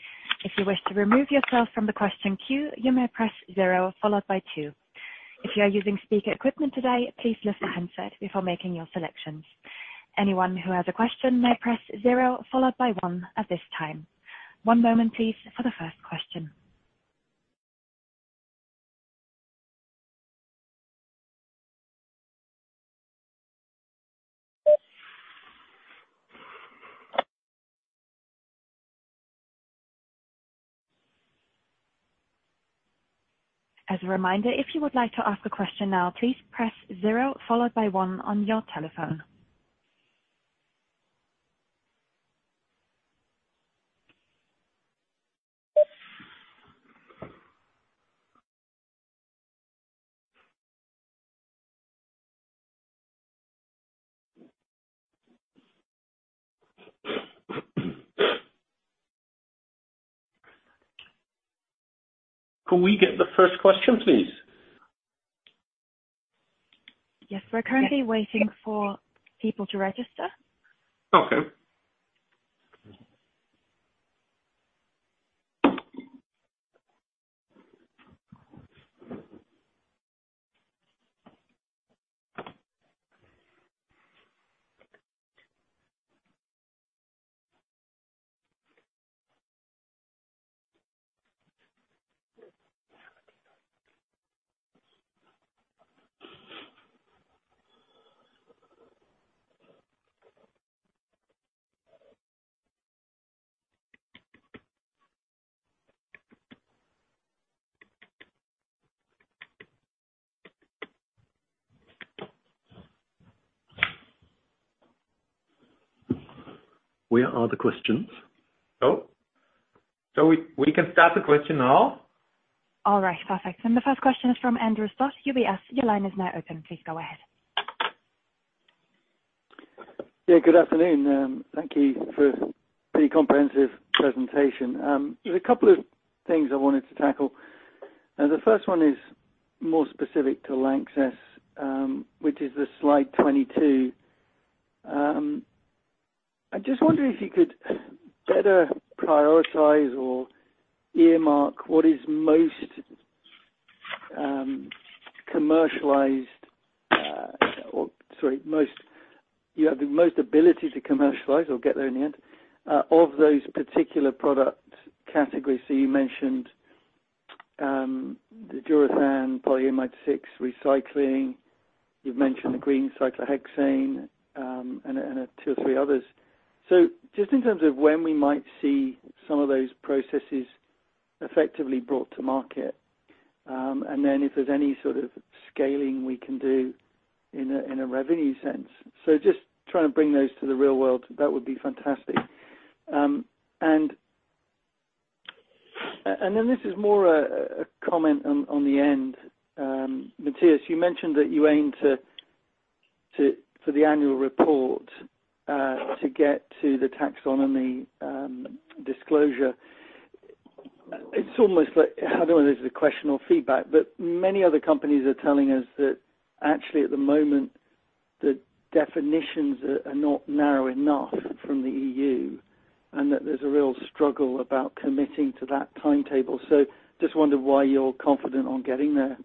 If you wish to remove yourself from the question queue, you may press zero followed by two. If you are using speaker equipment today, please lift the handset before making your selections. Anyone who has a question may press zero followed by one at this time. One moment, please, for the first question. As a reminder, if you would like to ask a question now, please press zero followed by one on your telephone. Can we get the first question, please? Yes. We're currently waiting for people to register. Okay. Where are the questions? Oh. We can start the question now? All right, perfect. The first question is from Andrew Stott, UBS. Your line is now open. Please go ahead. Yeah, good afternoon. Thank you for the comprehensive presentation. There's a couple of things I wanted to tackle. The first one is more specific to LANXESS, which is the slide 22. I just wonder if you could better prioritize or earmark what is most commercialized or, sorry, you have the most ability to commercialize or get there in the end of those particular product categories. You mentioned the Durethan polyamide 6 recycling. You've mentioned the green cyclohexane, and two or three others. Just in terms of when we might see some of those processes effectively brought to market. If there's any sort of scaling we can do in a revenue sense. Just try and bring those to the real world. That would be fantastic. This is more a comment on the end. Matthias, you mentioned that you aim for the annual report, to get to the taxonomy disclosure. It's almost like, I don't know if this is a question or feedback, but many other companies are telling us that actually at the moment, the definitions are not narrow enough from the EU and that there's a real struggle about committing to that timetable. Just wondered why you're confident on getting there.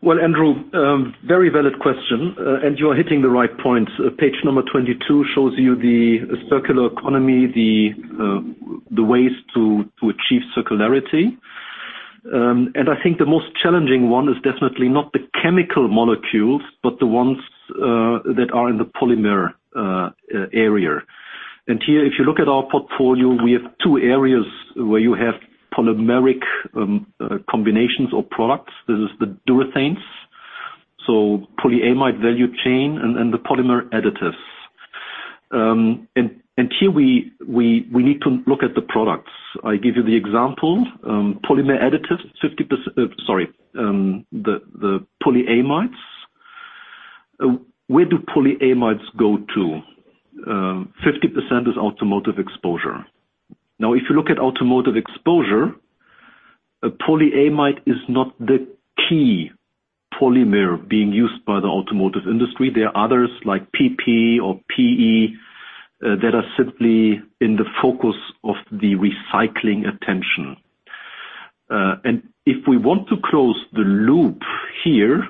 Thanks. Well, Andrew, very valid question, and you're hitting the right points. Page number 22 shows you the circular economy, the ways to achieve circularity. I think the most challenging one is definitely not the chemical molecules, but the ones that are in the polymer area. Here, if you look at our portfolio, we have two areas where you have polymeric combinations of products. This is the Durethans, so polyamide value chain and the polymer additives. Here we need to look at the products. I give you the example. The polyamides. Where do polyamides go to? 50% is automotive exposure. Now, if you look at automotive exposure, polyamide is not the key polymer being used by the automotive industry. There are others like PP or PE that are simply in the focus of the recycling attention. if we want to close the loop here,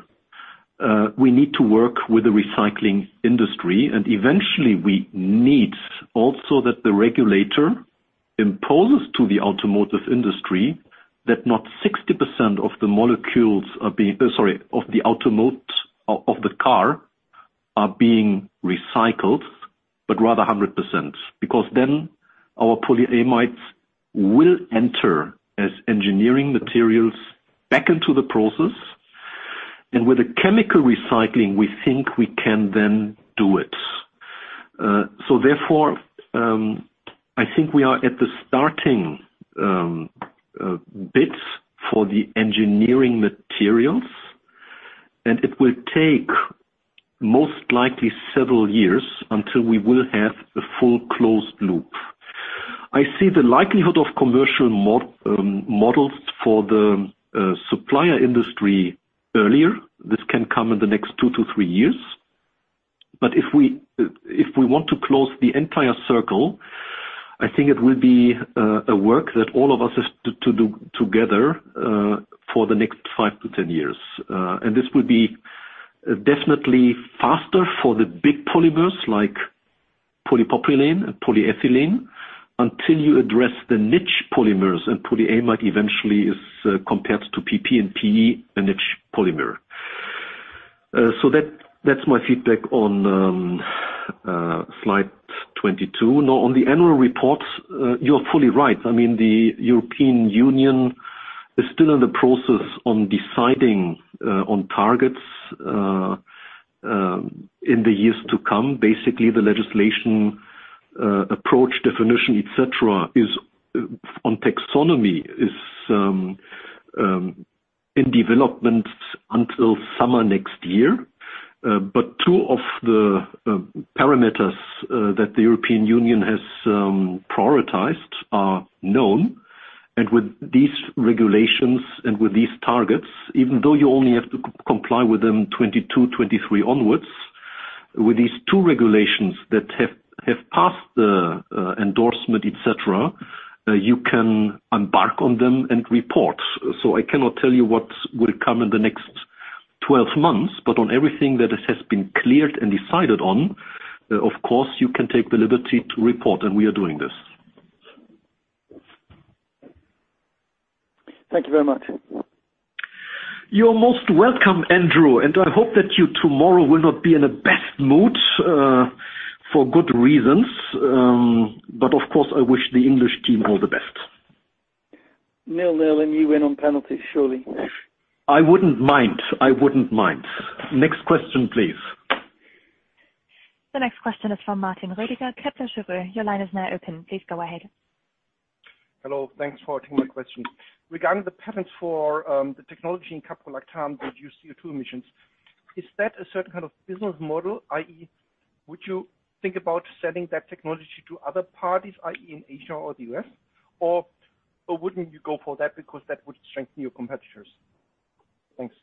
we need to work with the recycling industry. eventually we need also that the regulator imposes to the automotive industry that not 60% of the car are being recycled, but rather 100%. Because then our polyamides will enter as engineering materials back into the process. with the chemical recycling, we think we can then do it. therefore, I think we are at the starting bits for the engineering materials, and it will take most likely several years until we will have a full closed loop. I see the likelihood of commercial models for the supplier industry earlier. This can come in the next two to three years. If we want to close the entire circle, I think it will be a work that all of us have to do together for the next 5-10 years. This would be definitely faster for the big polymers like polypropylene and polyethylene until you address the niche polymers and polyamide eventually is compared to PP and PE a niche polymer. That's my feedback on slide 22. Now on the annual reports, you're fully right. I mean, the European Union is still in the process on deciding on targets in the years to come. Basically, the legislation approach definition, et cetera, is on taxonomy, is in development until summer next year. Two of the parameters that the European Union has prioritized are known. With these regulations and with these targets, even though you only have to comply with them 2022, 2023 onwards, with these two regulations that have passed the endorsement, et cetera, you can embark on them and report. I cannot tell you what will come in the next 12 months, but on everything that has been cleared and decided on, of course, you can take the liberty to report, and we are doing this. Thank you very much. You're most welcome, Andrew, and I hope that you tomorrow will not be in the best mood for good reasons. Of course, I wish the English team all the best. Nil-nil, and you win on penalties, surely. I wouldn't mind. Next question, please. The next question is from Martin Rödiger, Kepler Cheuvreux, your line is now open. Please go ahead. Hello. Thanks for taking my question. Regarding the patents for the technology in caprolactam to reduce CO2 emissions, is that a certain kind of business model, i.e., would you think about selling that technology to other parties in Asia or the U.S.? Wouldn't you go for that because that would strengthen your competitors? Thanks.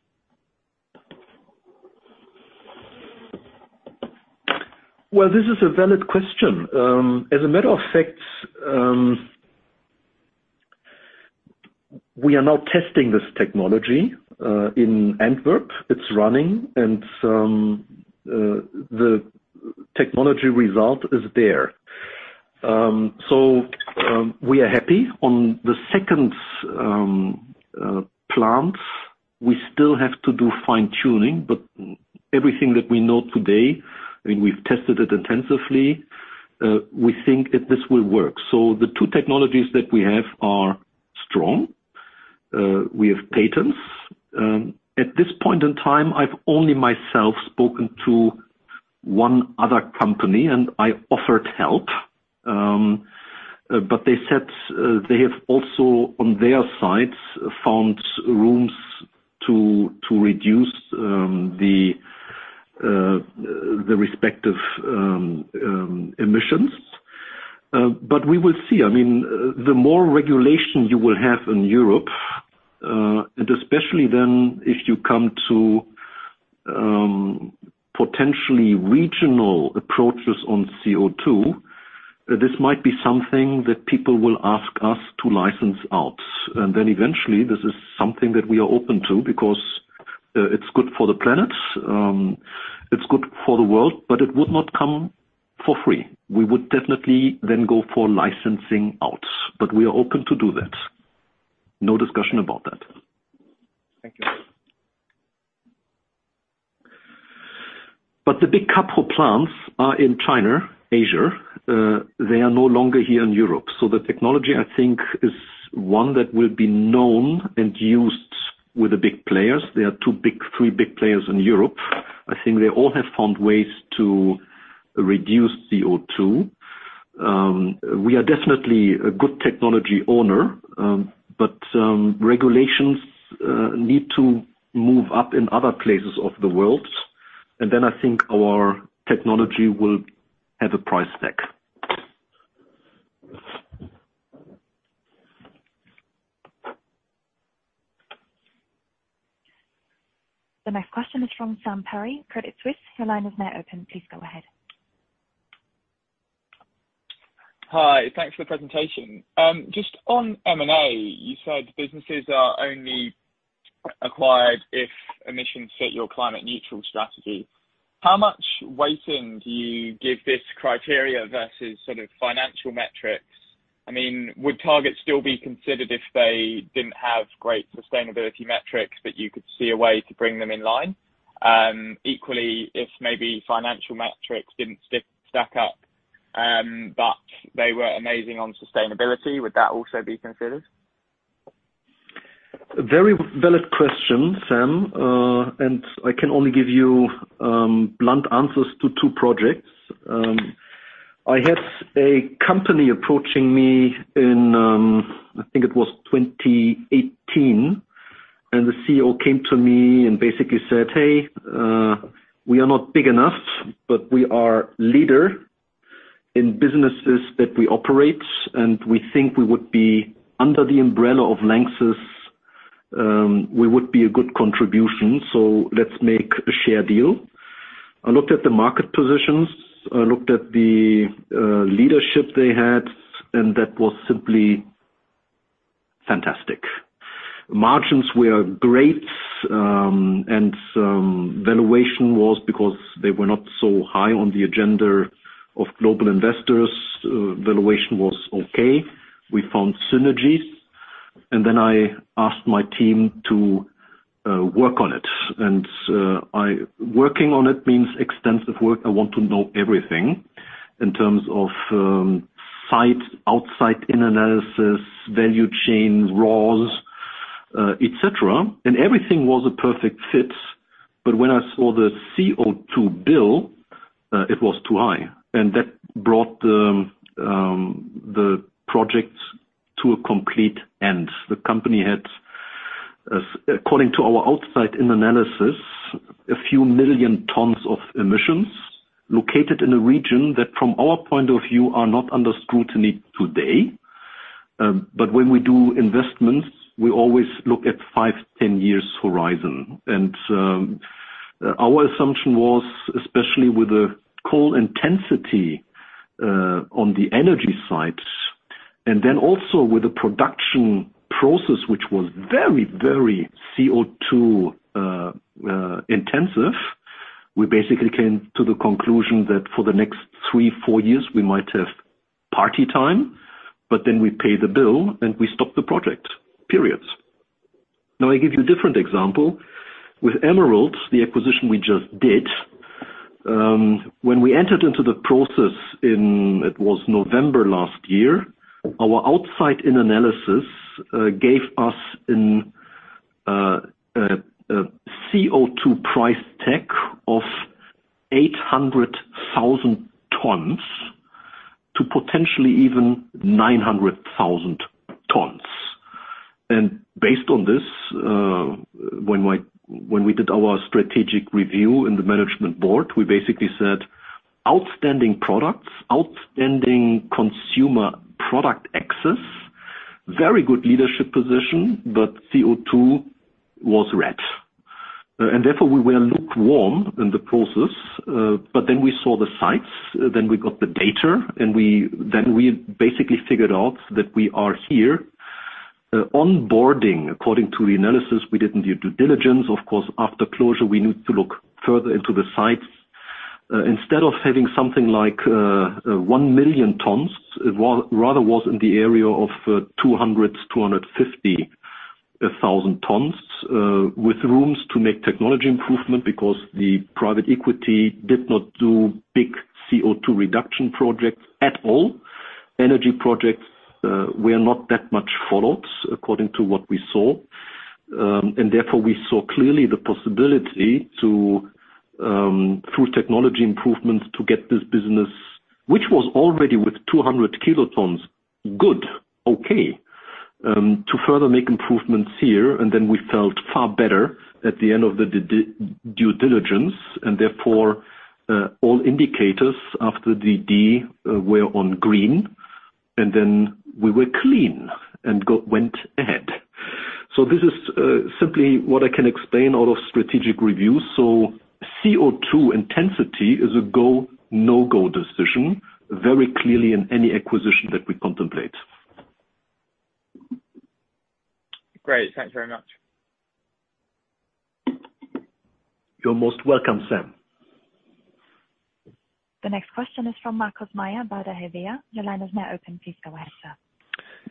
Well, this is a valid question. As a matter of fact, we are now testing this technology in Antwerp. It's running, and the technology result is there. We are happy. On the second plant, we still have to do fine-tuning, but everything that we know today, and we've tested it intensively, we think that this will work. The two technologies that we have are strong. We have patents. At this point in time, I've only myself spoken to one other company, and I offered help. They said they have also, on their sites, found rooms to reduce the respective emissions. We will see. The more regulation you will have in Europe, and especially then if you come to potentially regional approaches on CO2, this might be something that people will ask us to license out. Eventually, this is something that we are open to because it's good for the planet, it's good for the world, but it would not come for free. We would definitely then go for licensing out, but we are open to do that. No discussion about that. Thank you. The big couple plants are in China, Asia. They are no longer here in Europe. The technology, I think, is one that will be known and used with the big players. There are three big players in Europe. I think they all have found ways to reduce CO2. We are definitely a good technology owner, but regulations need to move up in other places of the world. I think our technology will have a price tag. The next question is from Sam Perry, Credit Suisse. Your line is now open. Please go ahead. Hi. Thanks for the presentation. Just on M&A, you said businesses are only acquired if emissions fit your climate neutral strategy. How much weighting do you give this criteria versus financial metrics? Would Target still be considered if they didn't have great sustainability metrics that you could see a way to bring them in line? Equally, if maybe financial metrics didn't stack up, but they were amazing on sustainability, would that also be considered? A very valid question, Sam, and I can only give you blunt answers to two projects. I had a company approaching me in, I think it was 2018, and the CEO came to me and basically said, "Hey, we are not big enough, but we are leader in businesses that we operate, and we think under the umbrella of LANXESS, we would be a good contribution, so let's make a share deal." I looked at the market positions, I looked at the leadership they had, and that was simply fantastic. Margins were great, and valuation was because they were not so high on the agenda of global investors. Valuation was okay. We found synergies. I asked my team to work on it. Working on it means extensive work. I want to know everything in terms of site, outside-in analysis, value chain, raws, et cetera. Everything was a perfect fit, but when I saw the CO2 bill, it was too high, and that brought the project to a complete end. The company had, according to our outside-in analysis, a few million tons of emissions located in a region that from our point of view, are not under scrutiny today. When we do investments, we always look at five, 10 years horizon. Our assumption was, especially with the coal intensity on the energy side and then also with the production process, which was very, very CO2 intensive, we basically came to the conclusion that for the next three, four years, we might have party time, but then we pay the bill, and we stop the project, period. Now I give you a different example. With Emerald, the acquisition we just did, when we entered into the process in, it was November last year, our outside-in analysis gave us a CO2 price tag of 800,000 tons to potentially even 900,000 tons. Based on this, when we did our strategic review in the management board, we basically said, outstanding products, outstanding consumer product access, very good leadership position, but CO2 was red. Therefore, we were lukewarm in the process. We saw the sites, then we got the data, and then we basically figured out that we are here. Onboarding, according to the analysis we did in due diligence, of course, after closure, we need to look further into the sites. Instead of having something like 1 million tons, it rather was in the area of 200,000 tons-250,000 tons, with rooms to make technology improvement because the private equity did not do big CO2 reduction projects at all. Energy projects were not that much followed according to what we saw. We saw clearly the possibility through technology improvements to get this business, which was already with 200 kilotons, good, okay, to further make improvements here, and then we felt far better at the end of the due diligence, and therefore, all indicators after DD were on green, and then we were clean and went ahead. This is simply what I can explain out of strategic review. CO2 intensity is a go, no-go decision very clearly in any acquisition that we contemplate. Great. Thanks very much. You're most welcome, Sam. The next question is from Markus Mayer, Baader Helvea. Your line is now open. Please go ahead, sir.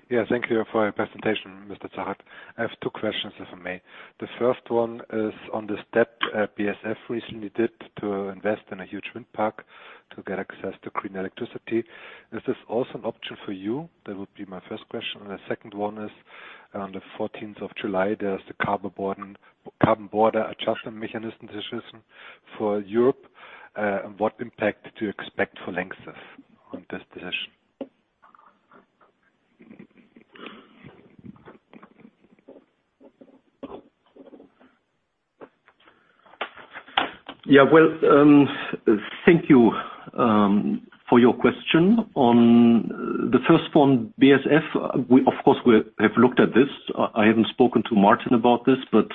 Yeah, thank you for your presentation, Mr. Zachert. I have two questions, if I may. The first one is on the step BASF recently did to invest in a huge wind park to get access to green electricity. Is this also an option for you? That would be my first question. The second one is, on the 14th of July, there's the Carbon Border Adjustment Mechanism decision for Europe. What impact do you expect for LANXESS on this decision? Yeah. Well, thank you for your question. On the first one, BASF, of course, we have looked at this. I haven't spoken to Martin about this, but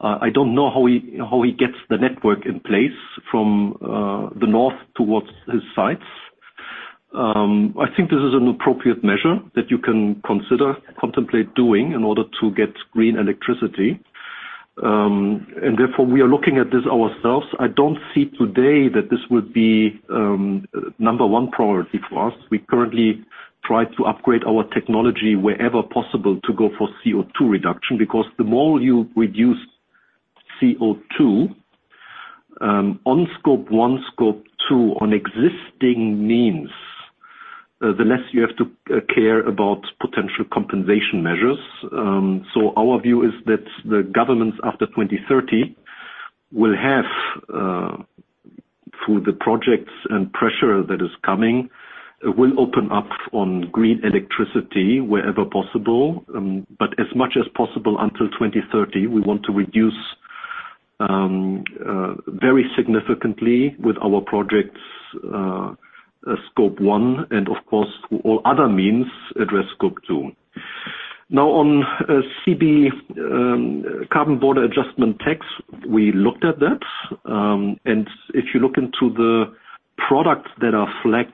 I don't know how he gets the network in place from the north towards his sites. I think this is an appropriate measure that you can consider contemplating doing in order to get green electricity. Therefore, we are looking at this ourselves. I don't see today that this would be the number one priority for us. We currently try to upgrade our technology wherever possible to go for CO2 reduction, because the more you reduce CO2 on Scope 1, Scope 2 on existing means, the less you have to care about potential compensation measures. Our view is that the governments after 2030 will have, through the projects and pressure that is coming, will open up on green electricity wherever possible. As much as possible until 2030, we want to reduce very significantly with our projects Scope 1, and of course, through all other means, address Scope 2. On CB, Carbon Border Adjustment Mechanism, we looked at that. If you look into the products that are flagged,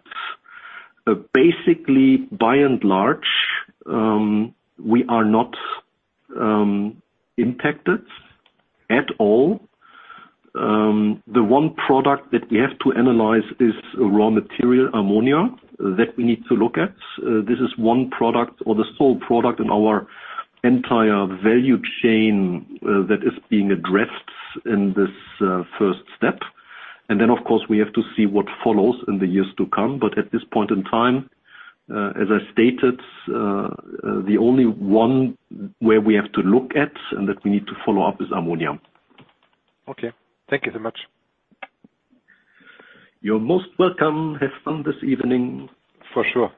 basically by and large, we are not impacted at all. The one product that we have to analyze is raw material ammonia that we need to look at. This is one product or the sole product in our entire value chain that is being addressed in this first step. Of course, we have to see what follows in the years to come. At this point in time, as I stated, the only one where we have to look at and that we need to follow up is ammonia. Okay. Thank you very much. You're most welcome. Have fun this evening. For sure.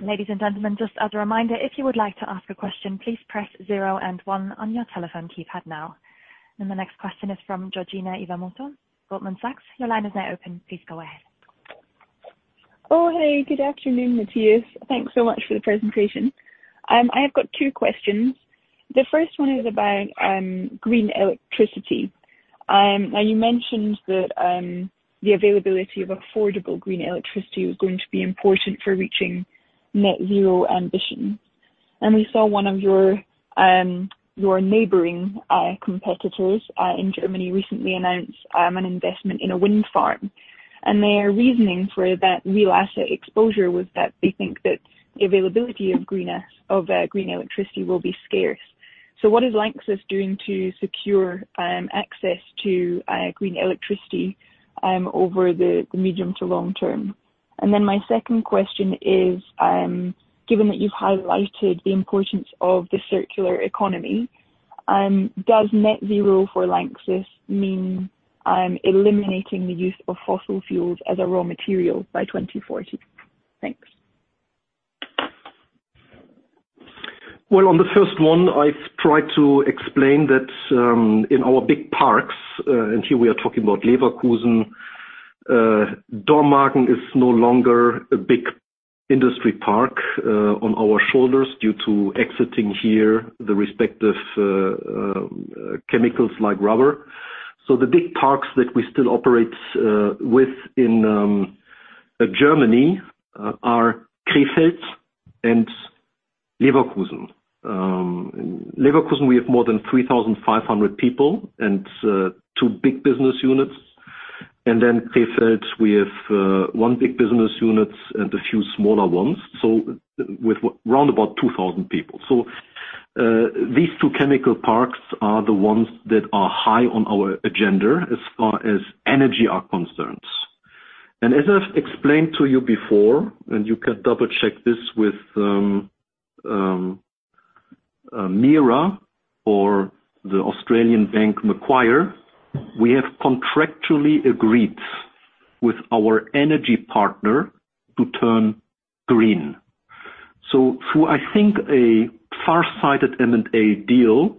Ladies and gentlemen, just as a reminder, if you would like to ask a question, please press zero and one on your telephone keypad now. The next question is from Georgina Fraser, Goldman Sachs. Your line is now open. Please go ahead. Hey. Good afternoon, Matthias. Thanks so much for the presentation. I've got two questions. The first one is about green electricity. You mentioned that the availability of affordable green electricity was going to be important for reaching net zero ambition. We saw one of your neighboring competitors in Germany recently announce an investment in a wind farm. Their reasoning for that new asset exposure was that they think that the availability of green electricity will be scarce. What is LANXESS doing to secure access to green electricity over the medium to long term? My second question is, given that you highlighted the importance of the circular economy, does net zero for LANXESS mean eliminating the use of fossil fuels as a raw material by 2040? Thanks. Well, on the first one, I tried to explain that in our big parks, and here we are talking about Leverkusen. Dormagen is no longer a big industry park on our shoulders due to exiting here the respective chemicals like rubber. The big parks that we still operate with in Germany are Krefeld and Leverkusen. Leverkusen, we have more than 3,500 people and two big business units. Krefeld, we have one big business unit and a few smaller ones, so with round about 2,000 people. These two chemical parks are the ones that are high on our agenda as far as energy are concerned. As I've explained to you before, and you can double-check this with MIRA or the Australian bank, Macquarie, we have contractually agreed with our energy partner to turn green. Through, I think, a farsighted M&A deal,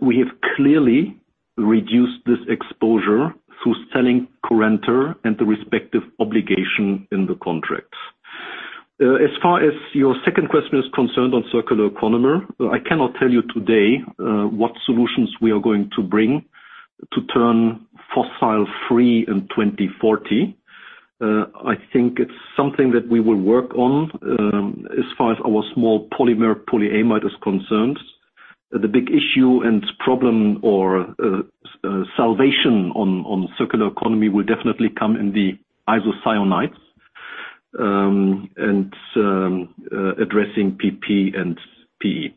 we have clearly reduced this exposure through selling Currenta and the respective obligation in the contracts. As far as your second question is concerned on circular polymer, I cannot tell you today what solutions we are going to bring to turn fossil-free in 2040. I think it's something that we will work on as far as our small polymer polyamide is concerned. The big issue and problem or salvation on circular economy will definitely come in the isocyanates and addressing PP and PE.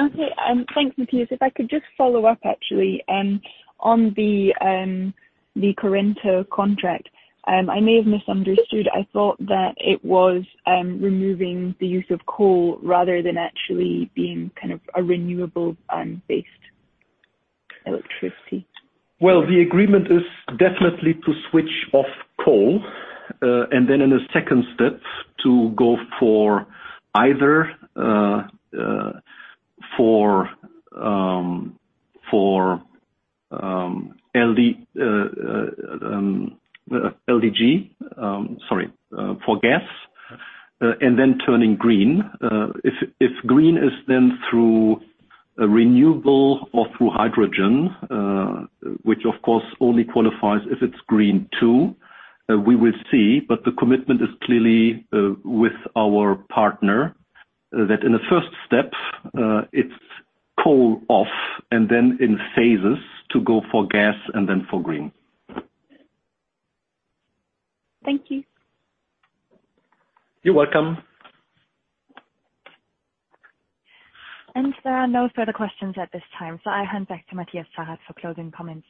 Okay. Thanks, Matthias. If I could just follow up actually on the Currenta contract. I may have misunderstood. I thought that it was removing the use of coal rather than actually being a renewable-based electricity. Well, the agreement is definitely to switch off coal, and then in a second step, to go for either for LNG, sorry, for gas, and then turning green. If green is then through renewable or through hydrogen, which of course only qualifies if it's green too, we will see. The commitment is clearly with our partner that in the first step it's coal off, and then in phases to go for gas and then for green. Thank you. You're welcome. There are no further questions at this time, so I hand back to Matthias Zachert for closing comments.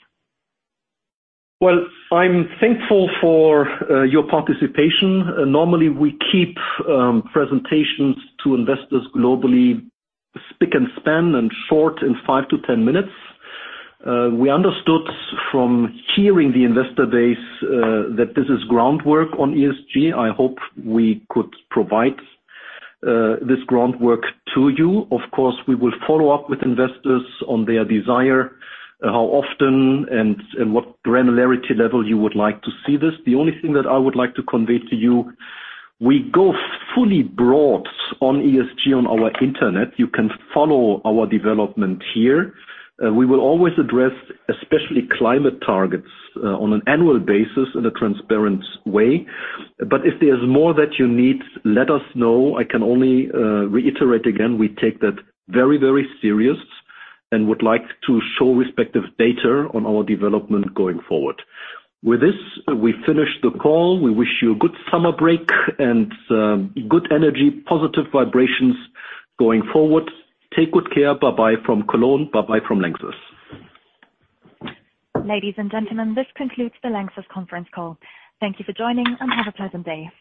Well, I'm thankful for your participation. Normally, we keep presentations to investors globally spick and span and short in five to ten minutes. We understood from hearing the investor base that this is groundwork on ESG. I hope we could provide this groundwork to you. Of course, we will follow up with investors on their desire, how often and what granularity level you would like to see this. The only thing that I would like to convey to you, we go fully broad on ESG on our internet. You can follow our development here. We will always address, especially climate targets, on an annual basis in a transparent way. If there's more that you need, let us know. I can only reiterate again, we take that very, very serious and would like to show respective data on our development going forward. With this, we finish the call. We wish you a good summer break and good energy, positive vibrations going forward. Take good care. Bye-bye from Cologne. Bye-bye from LANXESS. Ladies and gentlemen, this concludes the LANXESS conference call. Thank you for joining, and have a pleasant day. Goodbye.